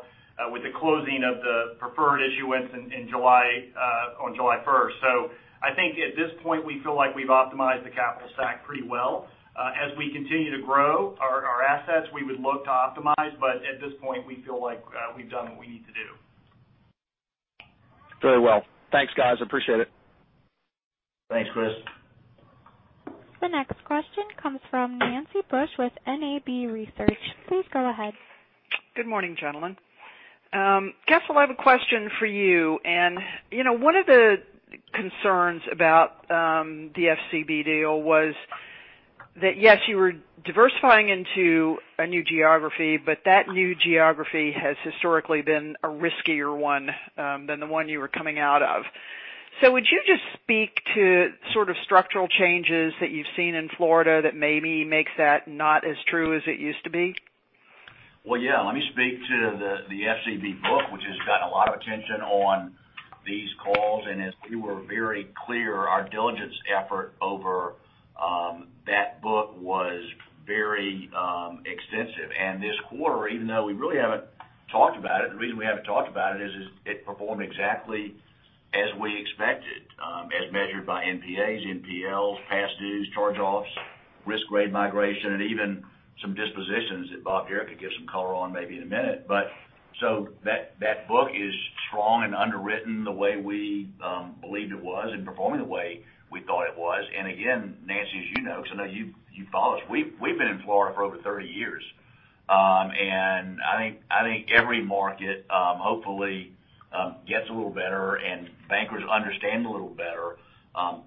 with the closing of the preferred issuance on July 1st. I think at this point, we feel like we've optimized the capital stack pretty well. As we continue to grow our assets, we would look to optimize, but at this point, we feel like we've done what we need to do. Very well. Thanks, guys. Appreciate it. Thanks, Chris. The next question comes from Nancy Bush with NAB Research. Please go ahead. Good morning, gentlemen. Kessel, I have a question for you. One of the concerns about the FCB deal was that, yes, you were diversifying into a new geography, but that new geography has historically been a riskier one than the one you were coming out of. Would you just speak to sort of structural changes that you've seen in Florida that maybe makes that not as true as it used to be? Well, yeah. Let me speak to the FCB book, which has gotten a lot of attention on these calls. As we were very clear, our diligence effort over that book was very extensive. This quarter, even though we really haven't talked about it, the reason we haven't talked about it is it performed exactly as we expected, as measured by NPAs, NPLs, past dues, charge-offs, risk grade migration, and even some dispositions that Bob Garrett could give some color on maybe in a minute. So that book is strong and underwritten the way we believed it was and performing the way we thought it was. Again, Nancy, as you know, because I know you follow us, we've been in Florida for over 30 years. I think every market hopefully gets a little better and bankers understand a little better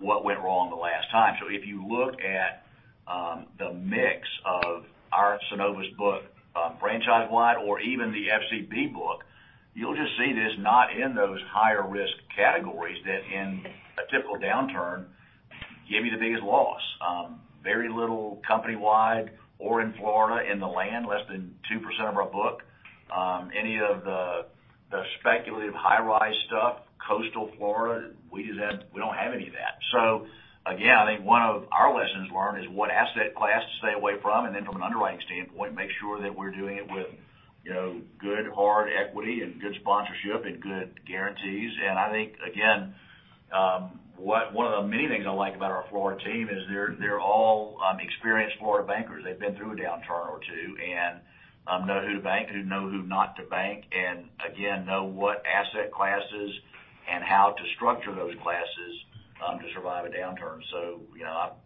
what went wrong the last time. If you look at the mix of our Synovus book franchise-wide or even the FCB book, you'll just see it is not in those higher risk categories that in a typical downturn give you the biggest loss. Very little company-wide or in Florida in the land, less than 2% of our book. Any of the speculative high-rise stuff, coastal Florida, we don't have any of that. Again, I think one of our lessons learned is what asset class to stay away from, and then from an underwriting standpoint, make sure that we're doing it with good hard equity and good sponsorship and good guarantees. I think, again, one of the many things I like about our Florida team is they're all experienced Florida bankers. They've been through a downturn or two and know who to bank, who know who not to bank, and again, know what asset classes and how to structure those classes to survive a downturn.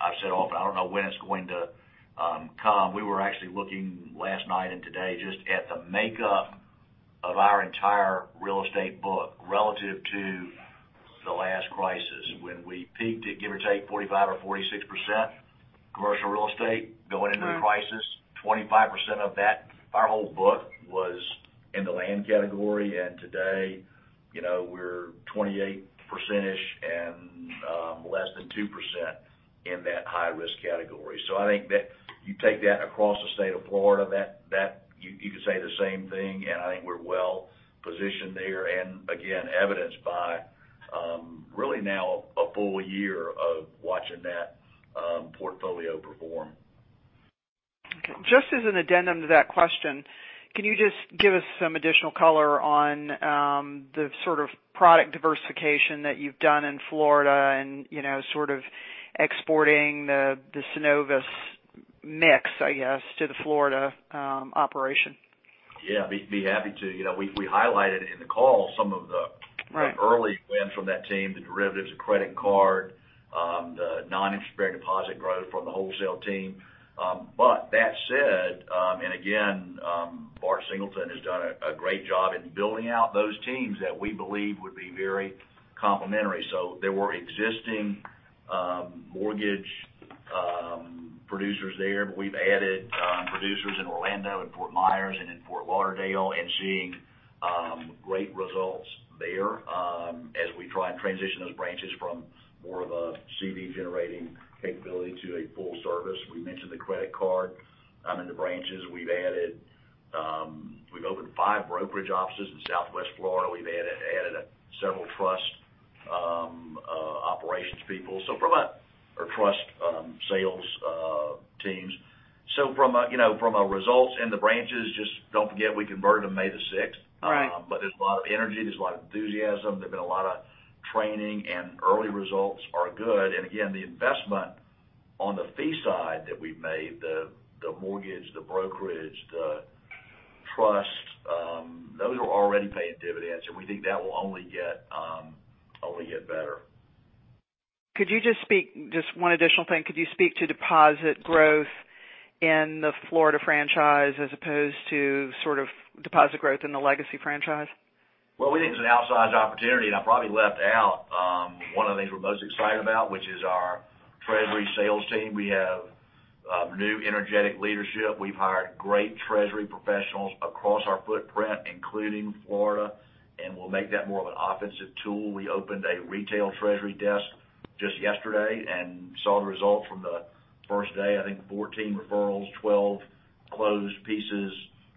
I've said often, I don't know when it's going to come. We were actually looking last night and today just at the makeup of our entire real estate book relative to the last crisis when we peaked at give or take 45% or 46% commercial real estate going into the crisis. 25% of that, our whole book was in the land category, and today we're 28% and less than 2% in that high-risk category. I think that you take that across the state of Florida, you could say the same thing, and I think we're well-positioned there. Again, evidenced by really now a full year of watching that portfolio perform. Okay. Just as an addendum to that question, can you just give us some additional color on the sort of product diversification that you've done in Florida and sort of exporting the Synovus mix, I guess, to the Florida operation? Yeah, be happy to. We highlighted in the call some of the- Right Early [inaudible] of the team, the derivatives credit card, the non-insured deposit growth from the wholesale team. But that said, again, Bart Singleton has done a great job in building out those teams that we believe would be very complementary. There were existing mortgage producers there, we've added producers in Orlando and Fort Myers and in Fort Lauderdale and seeing great results there as we try and transition those branches from more of a CD generating capability to a full service. We mentioned the credit card in the branches. We've opened five brokerage offices in Southwest Florida. We've added several trust operations people or trust sales teams. From a results in the branches, just don't forget, we converted them May the 6th. All right. There's a lot of energy, there's a lot of enthusiasm, there's been a lot of training, early results are good. Again, the investment on the fee side that we've made, the mortgage, the brokerage, the trust, those are already paying dividends, and we think that will only get better. Could you just speak, just one additional thing, could you speak to deposit growth in the Florida franchise as opposed to sort of deposit growth in the legacy franchise? Well, we think it's an outsized opportunity, and I probably left out one of the things we're most excited about, which is our treasury sales team. We have new energetic leadership. We've hired great treasury professionals across our footprint, including Florida, and we'll make that more of an offensive tool. We opened a retail treasury desk just yesterday and saw the results from the first day, I think 14 referrals, 12 closed pieces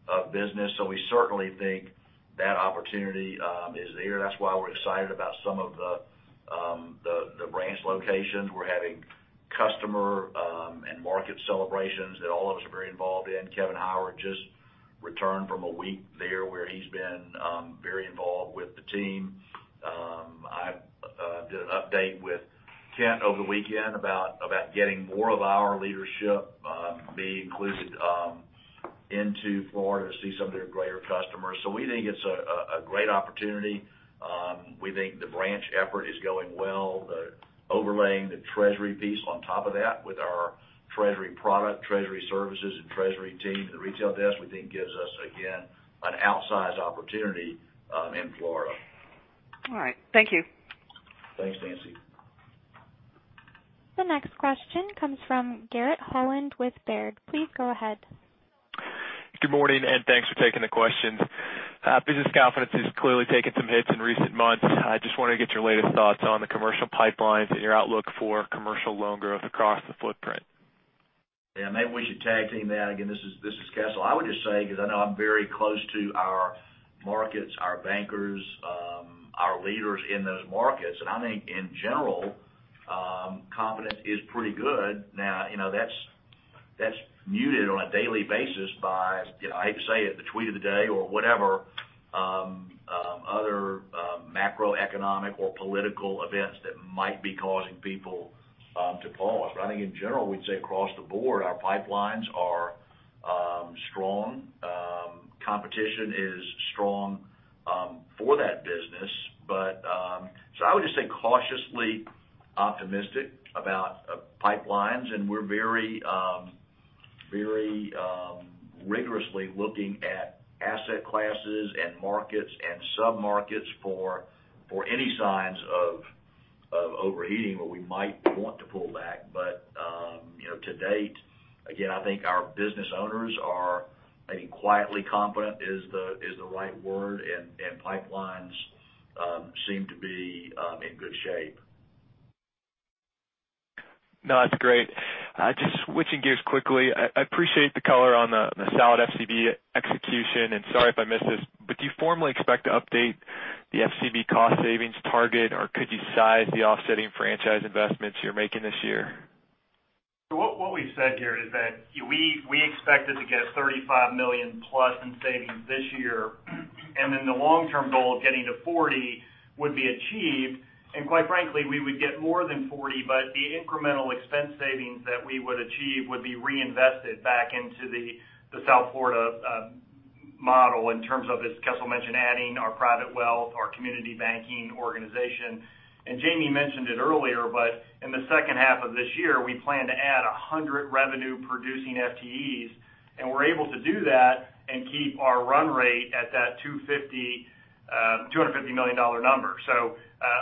of business. We certainly think that opportunity is there. That's why we're excited about some of the branch locations. We're having customer and market celebrations that all of us are very involved in. Kevin Howard just returned from a week there, where he's been very involved with the team. I did an update with Kent over the weekend about getting more of our leadership being included into Florida to see some of their greater customers. We think it's a great opportunity. We think the branch effort is going well. Overlaying the treasury piece on top of that with our treasury product, treasury services, and treasury team, the retail desk, we think gives us, again, an outsized opportunity in Florida. All right. Thank you. Thanks, Nancy. The next question comes from Garrett Holland with Baird. Please go ahead. Good morning. Thanks for taking the questions. Business confidence has clearly taken some hits in recent months. I just wanted to get your latest thoughts on the commercial pipelines and your outlook for commercial loan growth across the footprint. Maybe we should tag team that again. This is Kessel. I would just say, because I know I'm very close to our markets, our bankers, our leaders in those markets, and I think in general, confidence is pretty good. That's muted on a daily basis by, I hate to say it, the tweet of the day or whatever other macroeconomic or political events that might be causing people to pause. I think in general, we'd say across the board, our pipelines are strong. Competition is strong for that business. I would just say cautiously optimistic about pipelines, and we're very rigorously looking at asset classes and markets and sub-markets for any signs of overheating where we might want to pull back. To date, again, I think our business owners are, I think, quietly confident is the right word, and pipelines seem to be in good shape. That's great. Just switching gears quickly. I appreciate the color on the solid FCB execution. Sorry if I missed this, do you formally expect to update the FCB cost savings target, or could you size the offsetting franchise investments you're making this year? What we've said here is that we expected to get $35 million plus in savings this year, then the long-term goal of getting to $40 would be achieved. Quite frankly, we would get more than $40, the incremental expense savings that we would achieve would be reinvested back into the South Florida model in terms of, as Kessel mentioned, adding our private wealth, our community banking organization. Jamie mentioned it earlier, in the second half of this year, we plan to add 100 revenue-producing FTEs, and we're able to do that and keep our run rate at that $250 million number.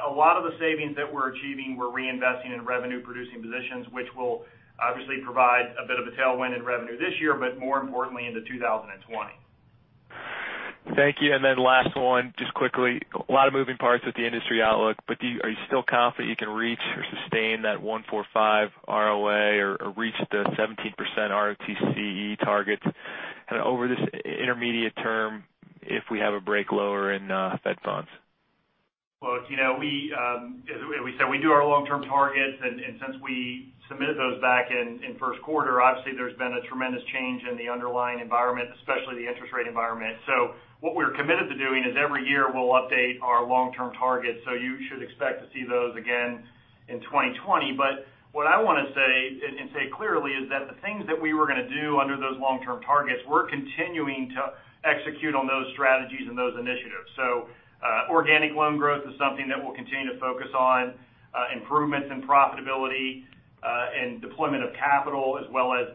A lot of the savings that we're achieving, we're reinvesting in revenue-producing positions, which will obviously provide a bit of a tailwind in revenue this year, but more importantly into 2020. Thank you. Last one, just quickly, a lot of moving parts with the industry outlook, but are you still confident you can reach or sustain that 1.45 ROA or reach the 17% ROTCE targets kind of over this intermediate term if we have a break lower in Fed funds? Well, as we said, since we submitted those back in first quarter, obviously there's been a tremendous change in the underlying environment, especially the interest rate environment. What we're committed to doing is every year we'll update our long-term targets. You should expect to see those again in 2020. What I want to say, and say clearly, is that the things that we were going to do under those long-term targets, we're continuing to execute on those strategies and those initiatives. Organic loan growth is something that we'll continue to focus on, improvements in profitability, and deployment of capital, as well as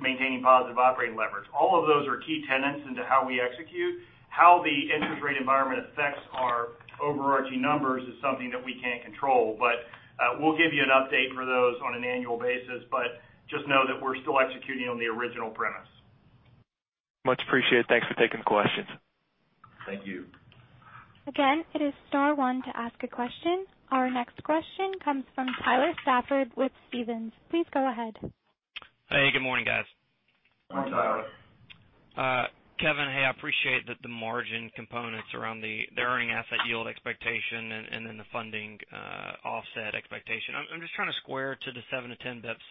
maintaining positive operating leverage. All of those are key tenets into how we execute. How the interest rate environment affects our overarching numbers is something that we can't control. We'll give you an update for those on an annual basis, but just know that we're still executing on the original premise. Much appreciated. Thanks for taking the questions. Thank you. Again, it is star one to ask a question. Our next question comes from Tyler Stafford with Stephens. Please go ahead. Hey, good morning, guys. Hi, Tyler. Kevin, I appreciate that the margin components around the earning asset yield expectation and then the funding offset expectation. I'm just trying to square to the 7-10 basis points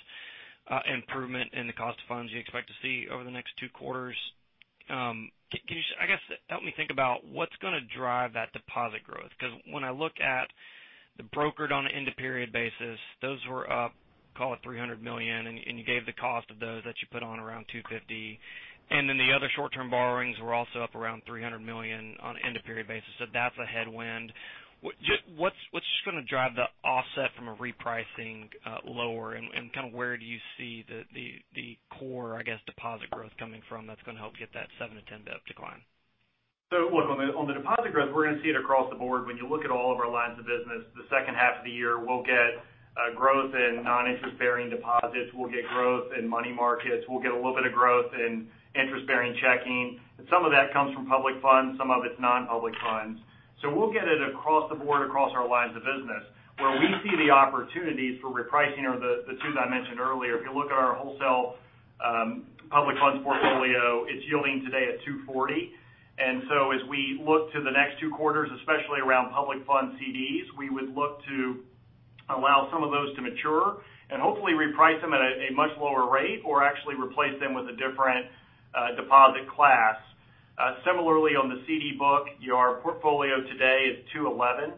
improvement in the cost of funds you expect to see over the next two quarters. I guess, help me think about what's going to drive that deposit growth because when I look at the brokered on an end-of-period basis, those were up, call it $300 million, and you gave the cost of those that you put on around $250. And then the other short-term borrowings were also up around $300 million on an end-of-period basis. That's a headwind. What's going to drive the offset from a repricing lower and kind of where do you see the core, I guess, deposit growth coming from that's going to help get that 7-10 basis point decline? Look, on the deposit growth, we're going to see it across the board. When you look at all of our lines of business, the second half of the year, we'll get growth in non-interest-bearing deposits. We'll get growth in money markets. We'll get a little bit of growth in interest-bearing checking. Some of that comes from public funds, some of it's non-public funds. We'll get it across the board, across our lines of business. Where we see the opportunities for repricing are the two that I mentioned earlier. If you look at our wholesale public funds portfolio, it's yielding today at 2.40%. As we look to the next two quarters, especially around public fund CDs, we would look to allow some of those to mature and hopefully reprice them at a much lower rate, or actually replace them with a different deposit class. Similarly, on the CD book, your portfolio today is 2.11%.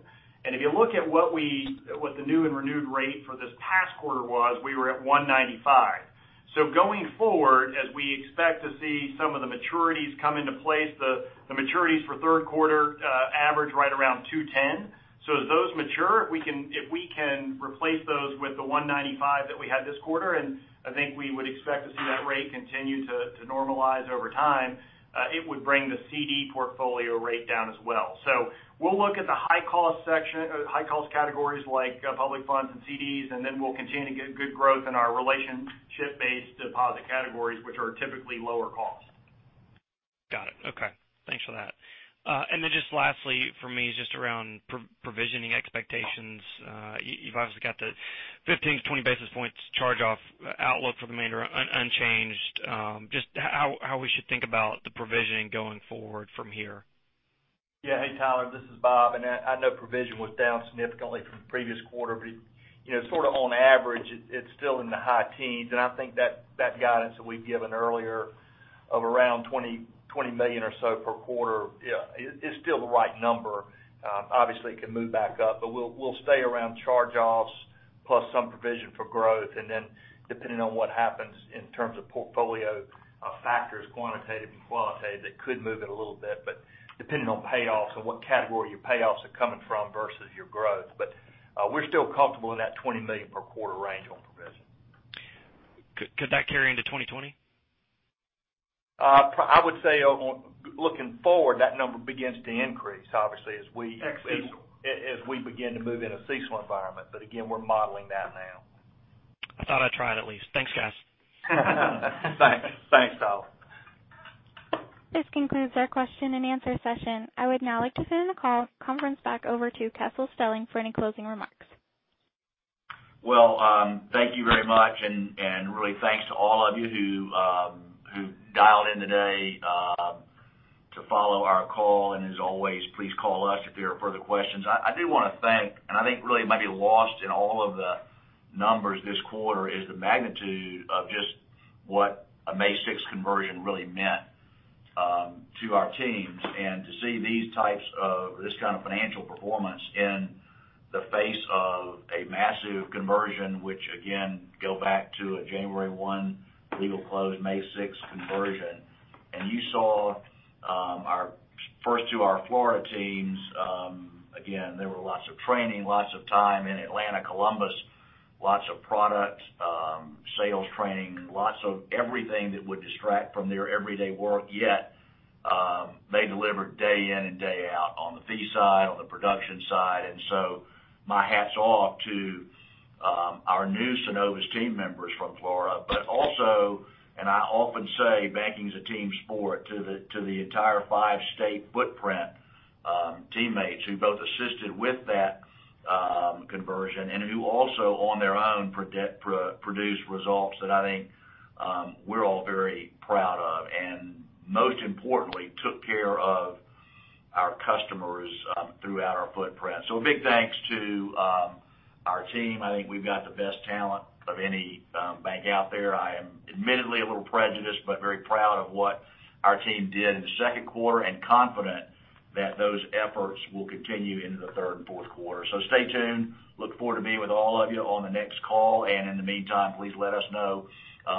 If you look at what the new and renewed rate for this past quarter was, we were at 1.95%. Going forward, as we expect to see some of the maturities come into place, the maturities for third quarter average right around 2.10%. As those mature, if we can replace those with the 1.95% that we had this quarter, and I think we would expect to see that rate continue to normalize over time, it would bring the CD portfolio rate down as well. We'll look at the high cost categories like public funds and CDs, and then we'll continue to get good growth in our relationship-based deposit categories, which are typically lower cost. Got it. Okay. Thanks for that. Then just lastly from me is just around provisioning expectations. You've obviously got the 15-20 basis points charge-off outlook for the remainder unchanged. Just how we should think about the provisioning going forward from here. Yeah. Hey, Tyler, this is Bob. I know provision was down significantly from the previous quarter, but sort of on average, it's still in the high teens. I think that guidance that we'd given earlier of around $20 million or so per quarter is still the right number. Obviously, it can move back up, but we'll stay around charge-offs plus some provision for growth. Depending on what happens in terms of portfolio factors, quantitative and qualitative, that could move it a little bit, but depending on payoffs and what category your payoffs are coming from versus your growth. We're still comfortable in that $20 million per quarter range on provision. Could that carry into 2020? I would say looking forward, that number begins to increase, obviously. Ex CECL. As we begin to move in a CECL environment. Again, we're modeling that now. I thought I'd try it at least. Thanks, guys. Thanks. Thanks, Tyler. This concludes our question and answer session. I would now like to turn the call conference back over to Kessel Stelling for any closing remarks. Thank you very much, really thanks to all of you who dialed in today to follow our call. As always, please call us if there are further questions. I do want to thank, I think really might be lost in all of the numbers this quarter, is the magnitude of just what a May 6th conversion really meant to our teams. To see this kind of financial performance in the face of a massive conversion, which again, go back to a January one legal close, May 6th conversion. You saw our first two, our Florida teams. Again, there were lots of training, lots of time in Atlanta, Columbus, lots of product sales training, lots of everything that would distract from their everyday work. Yet, they delivered day in and day out on the fee side, on the production side. My hat's off to our new Synovus team members from Florida, but also, I often say banking's a team sport, to the entire five-state footprint teammates who both assisted with that conversion and who also on their own produced results that I think we're all very proud of, and most importantly, took care of our customers throughout our footprint. A big thanks to our team. I think we've got the best talent of any bank out there. I am admittedly a little prejudiced, but very proud of what our team did in the second quarter and confident that those efforts will continue into the third and fourth quarter. Stay tuned. Look forward to being with all of you on the next call, in the meantime, please let us know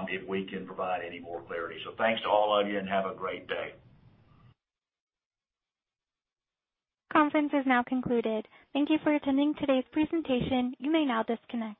if we can provide any more clarity. Thanks to all of you, have a great day. Conference is now concluded. Thank you for attending today's presentation. You may now disconnect.